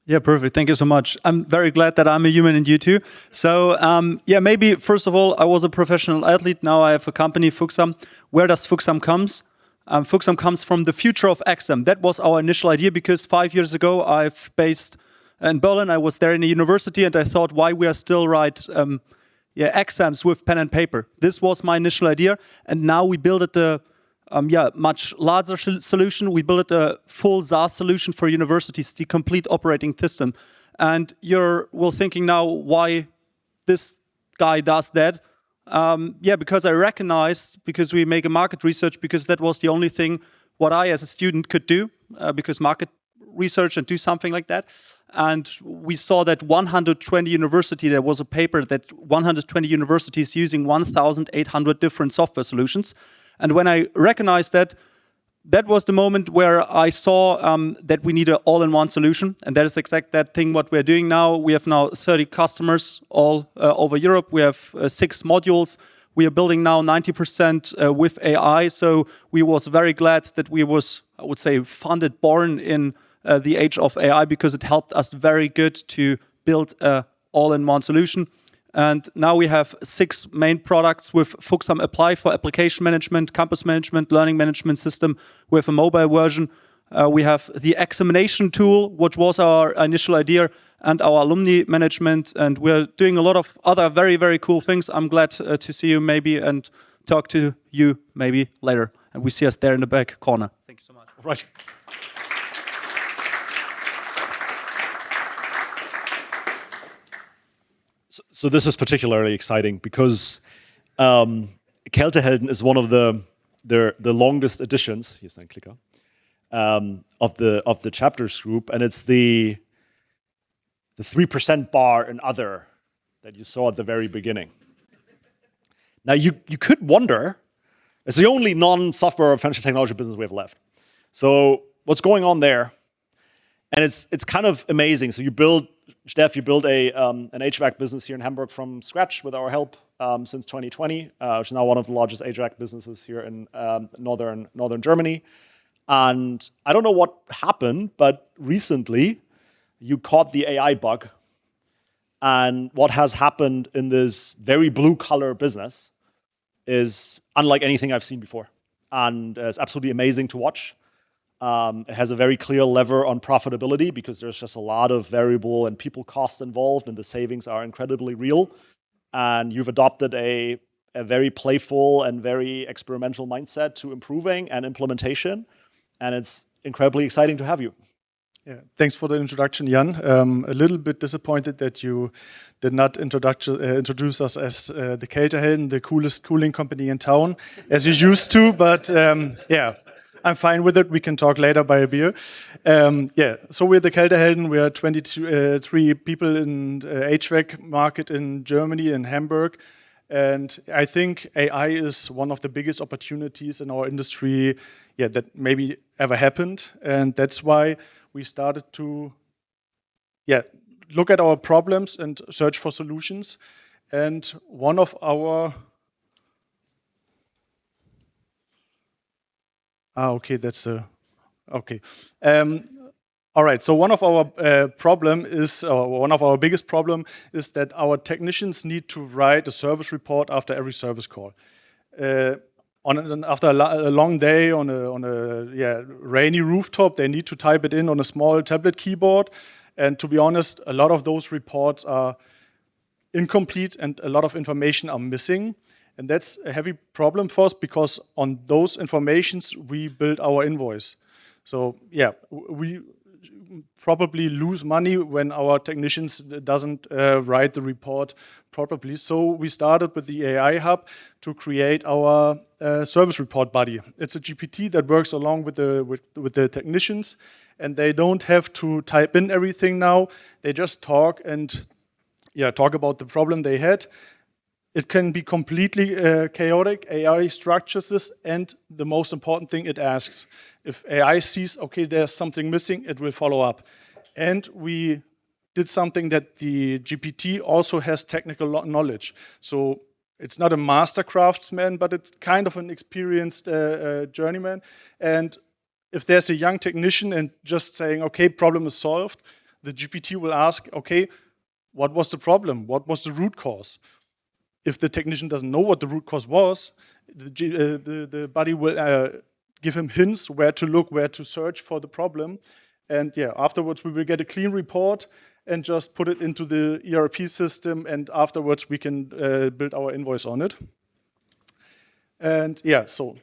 Yeah, perfect. Thank you so much. I'm very glad that I'm a human and you too. Yeah, maybe first of all, I was a professional athlete. Now, I have a company, Fuxam. Where does Fuxam comes? Fuxam comes from the future of exam. That was our initial idea, because five years ago, I've based in Berlin, I was there in the university, and I thought, why we are still write exams with pen and paper? This was my initial idea, and now, we build it a much larger solution. We build it a full SaaS solution for universities, the complete operating system. You're thinking now why this guy does that? Because I recognize, because we make a market research, because that was the only thing what I as a student could do because market research and do something like that. We saw that 120 university, there was a paper that 120 universities using 1,800 different software solutions. When I recognized that, that was the moment where I saw that we need an all-in-one solution, and that is exactly that thing what we are doing now. We have now 30 customers all over Europe. We have six modules. We are building now 90% with AI. We was very glad that we was, I would say, funded, born in the age of AI because it helped us very good to build an all-in-one solution. Now, we have six main products with Fuxam Apply for application management, campus management, learning management system with a mobile version. We have the examination tool, which was our initial idea, and our alumni management, and we are doing a lot of other very, very cool things. I'm glad to see you, maybe, and talk to you maybe later, and we see us there in the back corner. Thank you so much. All right. This is particularly exciting because Kältehelden is one of the longest additions. Here's my clicker. Of the CHAPTERS Group, and it's the 3% bar and Other that you saw at the very beginning. You could wonder, it's the only non-software financial technology business we have left. What's going on there? It's kind of amazing. You build, Stef, you build an HVAC business here in Hamburg from scratch with our help since 2020, which is now one of the largest HVAC businesses here in northern Germany. I don't know what happened, but recently, you caught the AI bug, and what has happened in this very blue-collar business is unlike anything I've seen before, and it's absolutely amazing to watch. It has a very clear lever on profitability because there's just a lot of variable and people costs involved, the savings are incredibly real. You've adopted a very playful and very experimental mindset to improving and implementation, it's incredibly exciting to have you. Thanks for the introduction, Jan. A little bit disappointed that you did not introduce us as the Kältehelden, the coolest cooling company in town, as you used to. But I'm fine with it. We can talk later by a beer. So, we're the Kältehelden. We are 23 people in HVAC market in Germany and Hamburg, and I think AI is one of the biggest opportunities in our industry that maybe ever happened. That's why we started to look at our problems and search for solutions. One of our biggest problems is that our technicians need to write a service report after every service call. After a long day on a rainy rooftop, they need to type it in on a small tablet keyboard. To be honest, a lot of those reports are incomplete and a lot of information are missing. That's a heavy problem for us because on those informations, we build our invoice. We probably lose money when our technicians doesn't write the report properly. We started with the AI Hub to create our service report buddy. It's a GPT that works along with the technicians, and they don't have to type in everything now. They just talk about the problem they had. It can be completely chaotic. AI structures this, and the most important thing it asks. If AI sees there's something missing, it will follow up. We did something that the GPT also has technical knowledge. It's not a master craftsman, but it's kind of an experienced journeyman. If there's a young technician just saying, "Problem is solved," the GPT will ask, "Okay. What was the problem? What was the root cause?" If the technician doesn't know what the root cause was, the buddy will give him hints where to look, where to search for the problem. Afterwards, we will get a clean report and just put it into the ERP system, and afterwards, we can build our invoice on it. Yeah. So,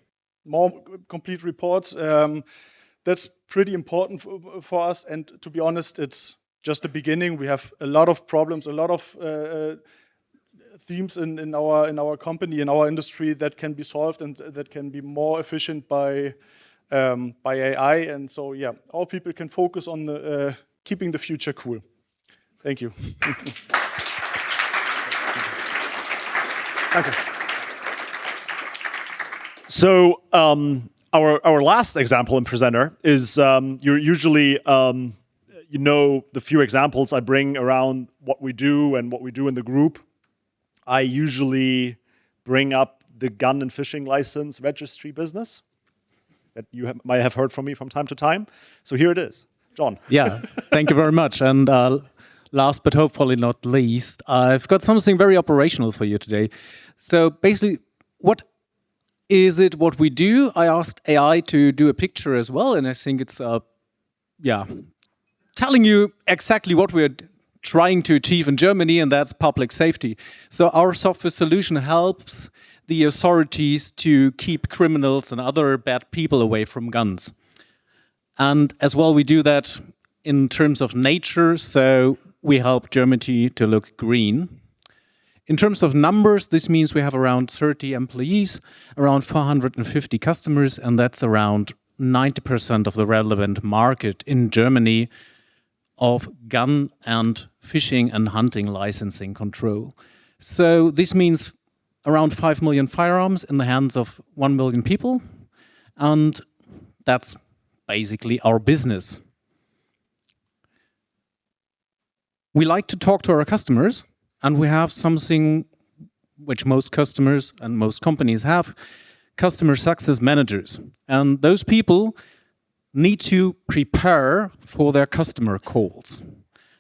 more complete reports. That's pretty important for us, and to be honest, it's just the beginning. We have a lot of problems, a lot of themes in our company, in our industry, that can be solved and that can be more efficient by AI. And so yeah, all people can focus on keeping the future cool. Thank you. Okay. Our last example and presenter is, you know, the few examples I bring around what we do and what we do in the group, I usually bring up the gun and fishing license registry business that you might have heard from me from time to time. Here it is. John. Yeah. Thank you very much. Last but hopefully not least, I've got something very operational for you today. Basically, what is it what we do? I asked AI to do a picture as well, and I think it's telling you exactly what we're trying to achieve in Germany, and that's public safety. Our software solution helps the authorities to keep criminals and other bad people away from guns. As well, we do that in terms of nature, so we help Germany to look green. In terms of numbers, this means we have around 30 employees, around 450 customers, and that's around 90% of the relevant market in Germany of gun and fishing and hunting licensing control. This means around 5 million firearms in the hands of 1 million people, and that's basically our business. We like to talk to our customers, and we have something which most customers and most companies have, customer success managers. Those people need to prepare for their customer calls.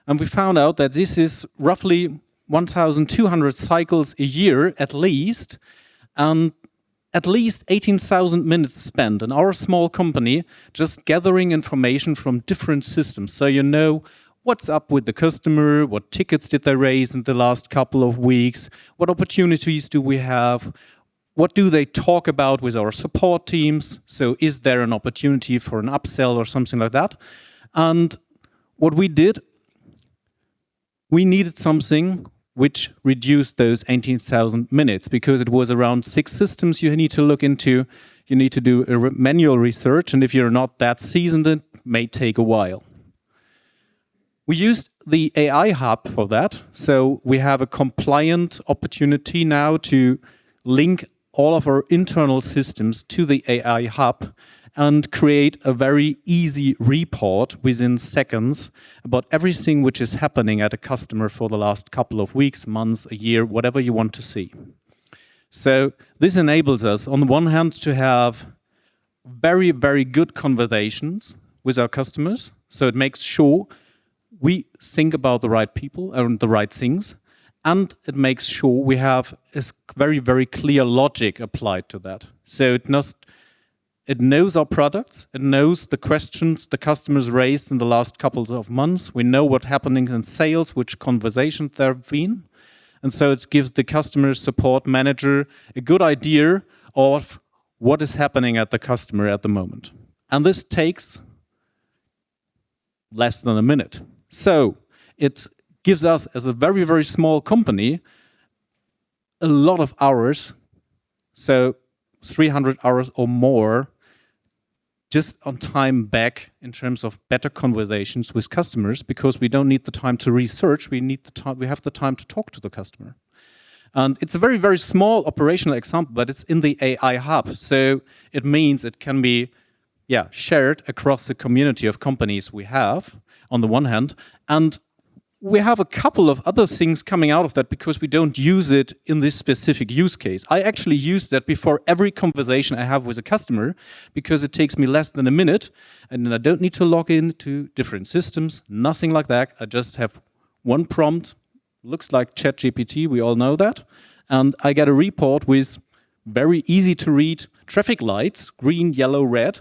We found out that this is roughly 1,200 cycles a year at least, and at least 18,000 minutes spent in our small company just gathering information from different systems. You know what's up with the customer, what tickets did they raise in the last couple of weeks, what opportunities do we have, what do they talk about with our support teams? Is there an opportunity for an upsell or something like that? What we did, we needed something which reduced those 18,000 minutes because it was around six systems you need to look into. You need to do manual research, and if you're not that seasoned, it may take a while. We used the AI Hub for that, so we have a compliant opportunity now to link all of our internal systems to the AI Hub and create a very easy report within seconds about everything which is happening at a customer for the last couple of weeks, months, a year, whatever you want to see. This enables us, on the one hand, to have very, very good conversations with our customers. It makes sure we think about the right people and the right things, and it makes sure we have this very clear logic applied to that. It knows our products, it knows the questions the customers raised in the last couple of months. We know what's happening in sales, which conversation they have been. It gives the customer support manager a good idea of what is happening at the customer at the moment. This takes less than a minute. It gives us, as a very small company, a lot of hours, so 300 hours or more, just on time back in terms of better conversations with customers, because we don't need the time to research, we have the time to talk to the customer. It's a very small operational example, but it's in the AI Hub, so it means it can be shared across the community of companies we have on the one hand. And we have a couple of other things coming out of that because we don't use it in this specific use case. I actually use that before every conversation I have with a customer because it takes me less than a minute, and then I don't need to log in to different systems, nothing like that. I just have one prompt, looks like ChatGPT, we all know that. I get a report with very easy-to-read traffic lights, green, yellow, red,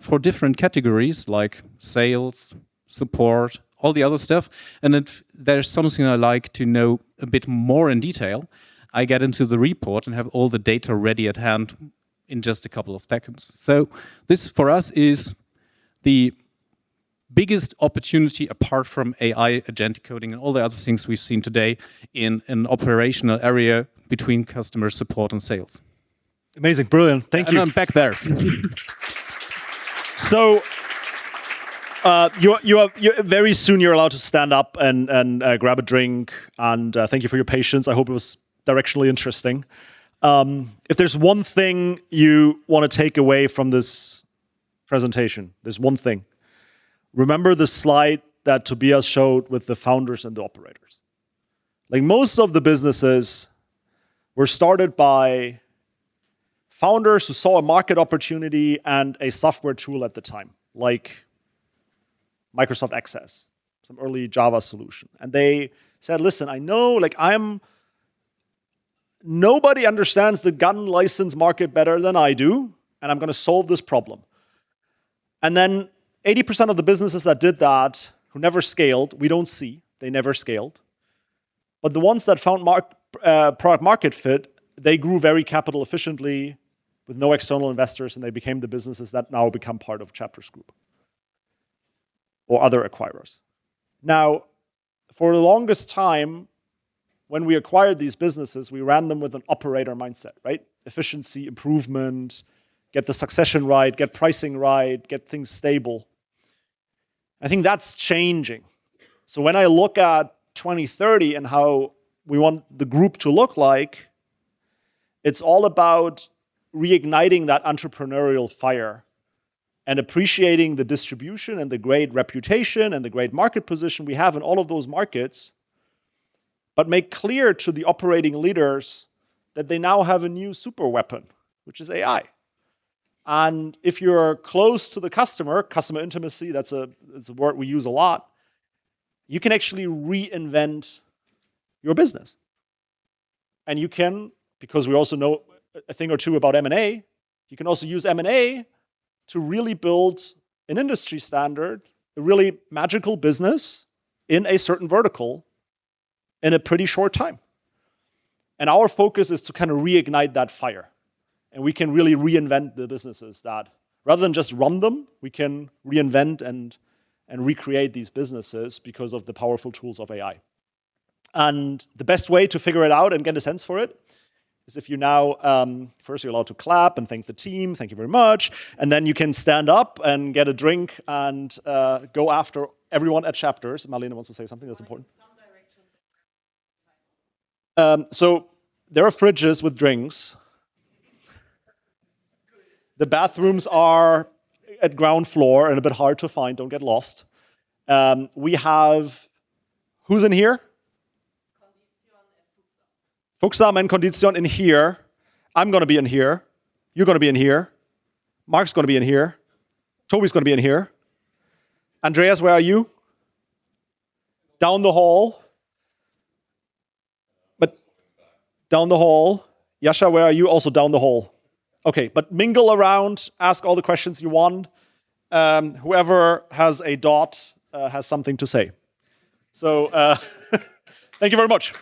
for different categories like sales, support, all the other stuff. If there's something I like to know a bit more in detail, I get into the report and have all the data ready at hand in just a couple of seconds. This, for us, is the biggest opportunity apart from AI agentic coding and all the other things we've seen today in an operational area between customer support and sales. Amazing. Brilliant. Thank you. I'm back there. So, very soon, you're allowed to stand up and grab a drink. Thank you for your patience. I hope it was directionally interesting. If there's one thing you want to take away from this presentation, there's one thing. Remember the slide that Tobias showed with the founders and the operators. Most of the businesses were started by founders who saw a market opportunity and a software tool at the time, like Microsoft Access, some early Java solution. They said, "Listen, nobody understands the gun license market better than I do, and I'm going to solve this problem." 80% of the businesses that did that, who never scaled, we don't see. They never scaled. The ones that found product-market fit, they grew very capital efficiently with no external investors, and they became the businesses that now become part of CHAPTERS Group or other acquirers. For the longest time, when we acquired these businesses, we ran them with an operator mindset, right? Efficiency, improvement, get the succession right, get pricing right, get things stable. I think that's changing. When I look at 2030 and how we want the group to look like, it's all about reigniting that entrepreneurial fire and appreciating the distribution and the great reputation and the great market position we have in all of those markets, but make clear to the operating leaders that they now have a new super weapon, which is AI. If you're close to the customer intimacy, that's a word we use a lot, you can actually reinvent your business. You can, because we also know a thing or two about M&A, you can also use M&A to really build an industry standard, a really magical business in a certain vertical in a pretty short time. Our focus is to kind of reignite that fire, we can really reinvent the businesses that rather than just run them, we can reinvent and recreate these businesses because of the powerful tools of AI. The best way to figure it out and get a sense for it is if you're allowed to clap and thank the team. Thank you very much. Then you can stand up and get a drink and go after everyone at CHAPTERS. Marlene wants to say something that's important. Some directions. There are fridges with drinks. Good. The bathrooms are at ground floor and a bit hard to find. Don't get lost. We have, who's in here? Condition and Fuxam. Fuxam and Condition in here. I'm going to be in here. You're going to be in here. Marc's going to be in here. Toby's going to be in here. Andreas, where are you? Down the hall. Down the hall. Jascha, where are you? Also, down the hall. Okay, but mingle around, ask all the questions you want. Whoever has a dot has something to say. Thank you very much.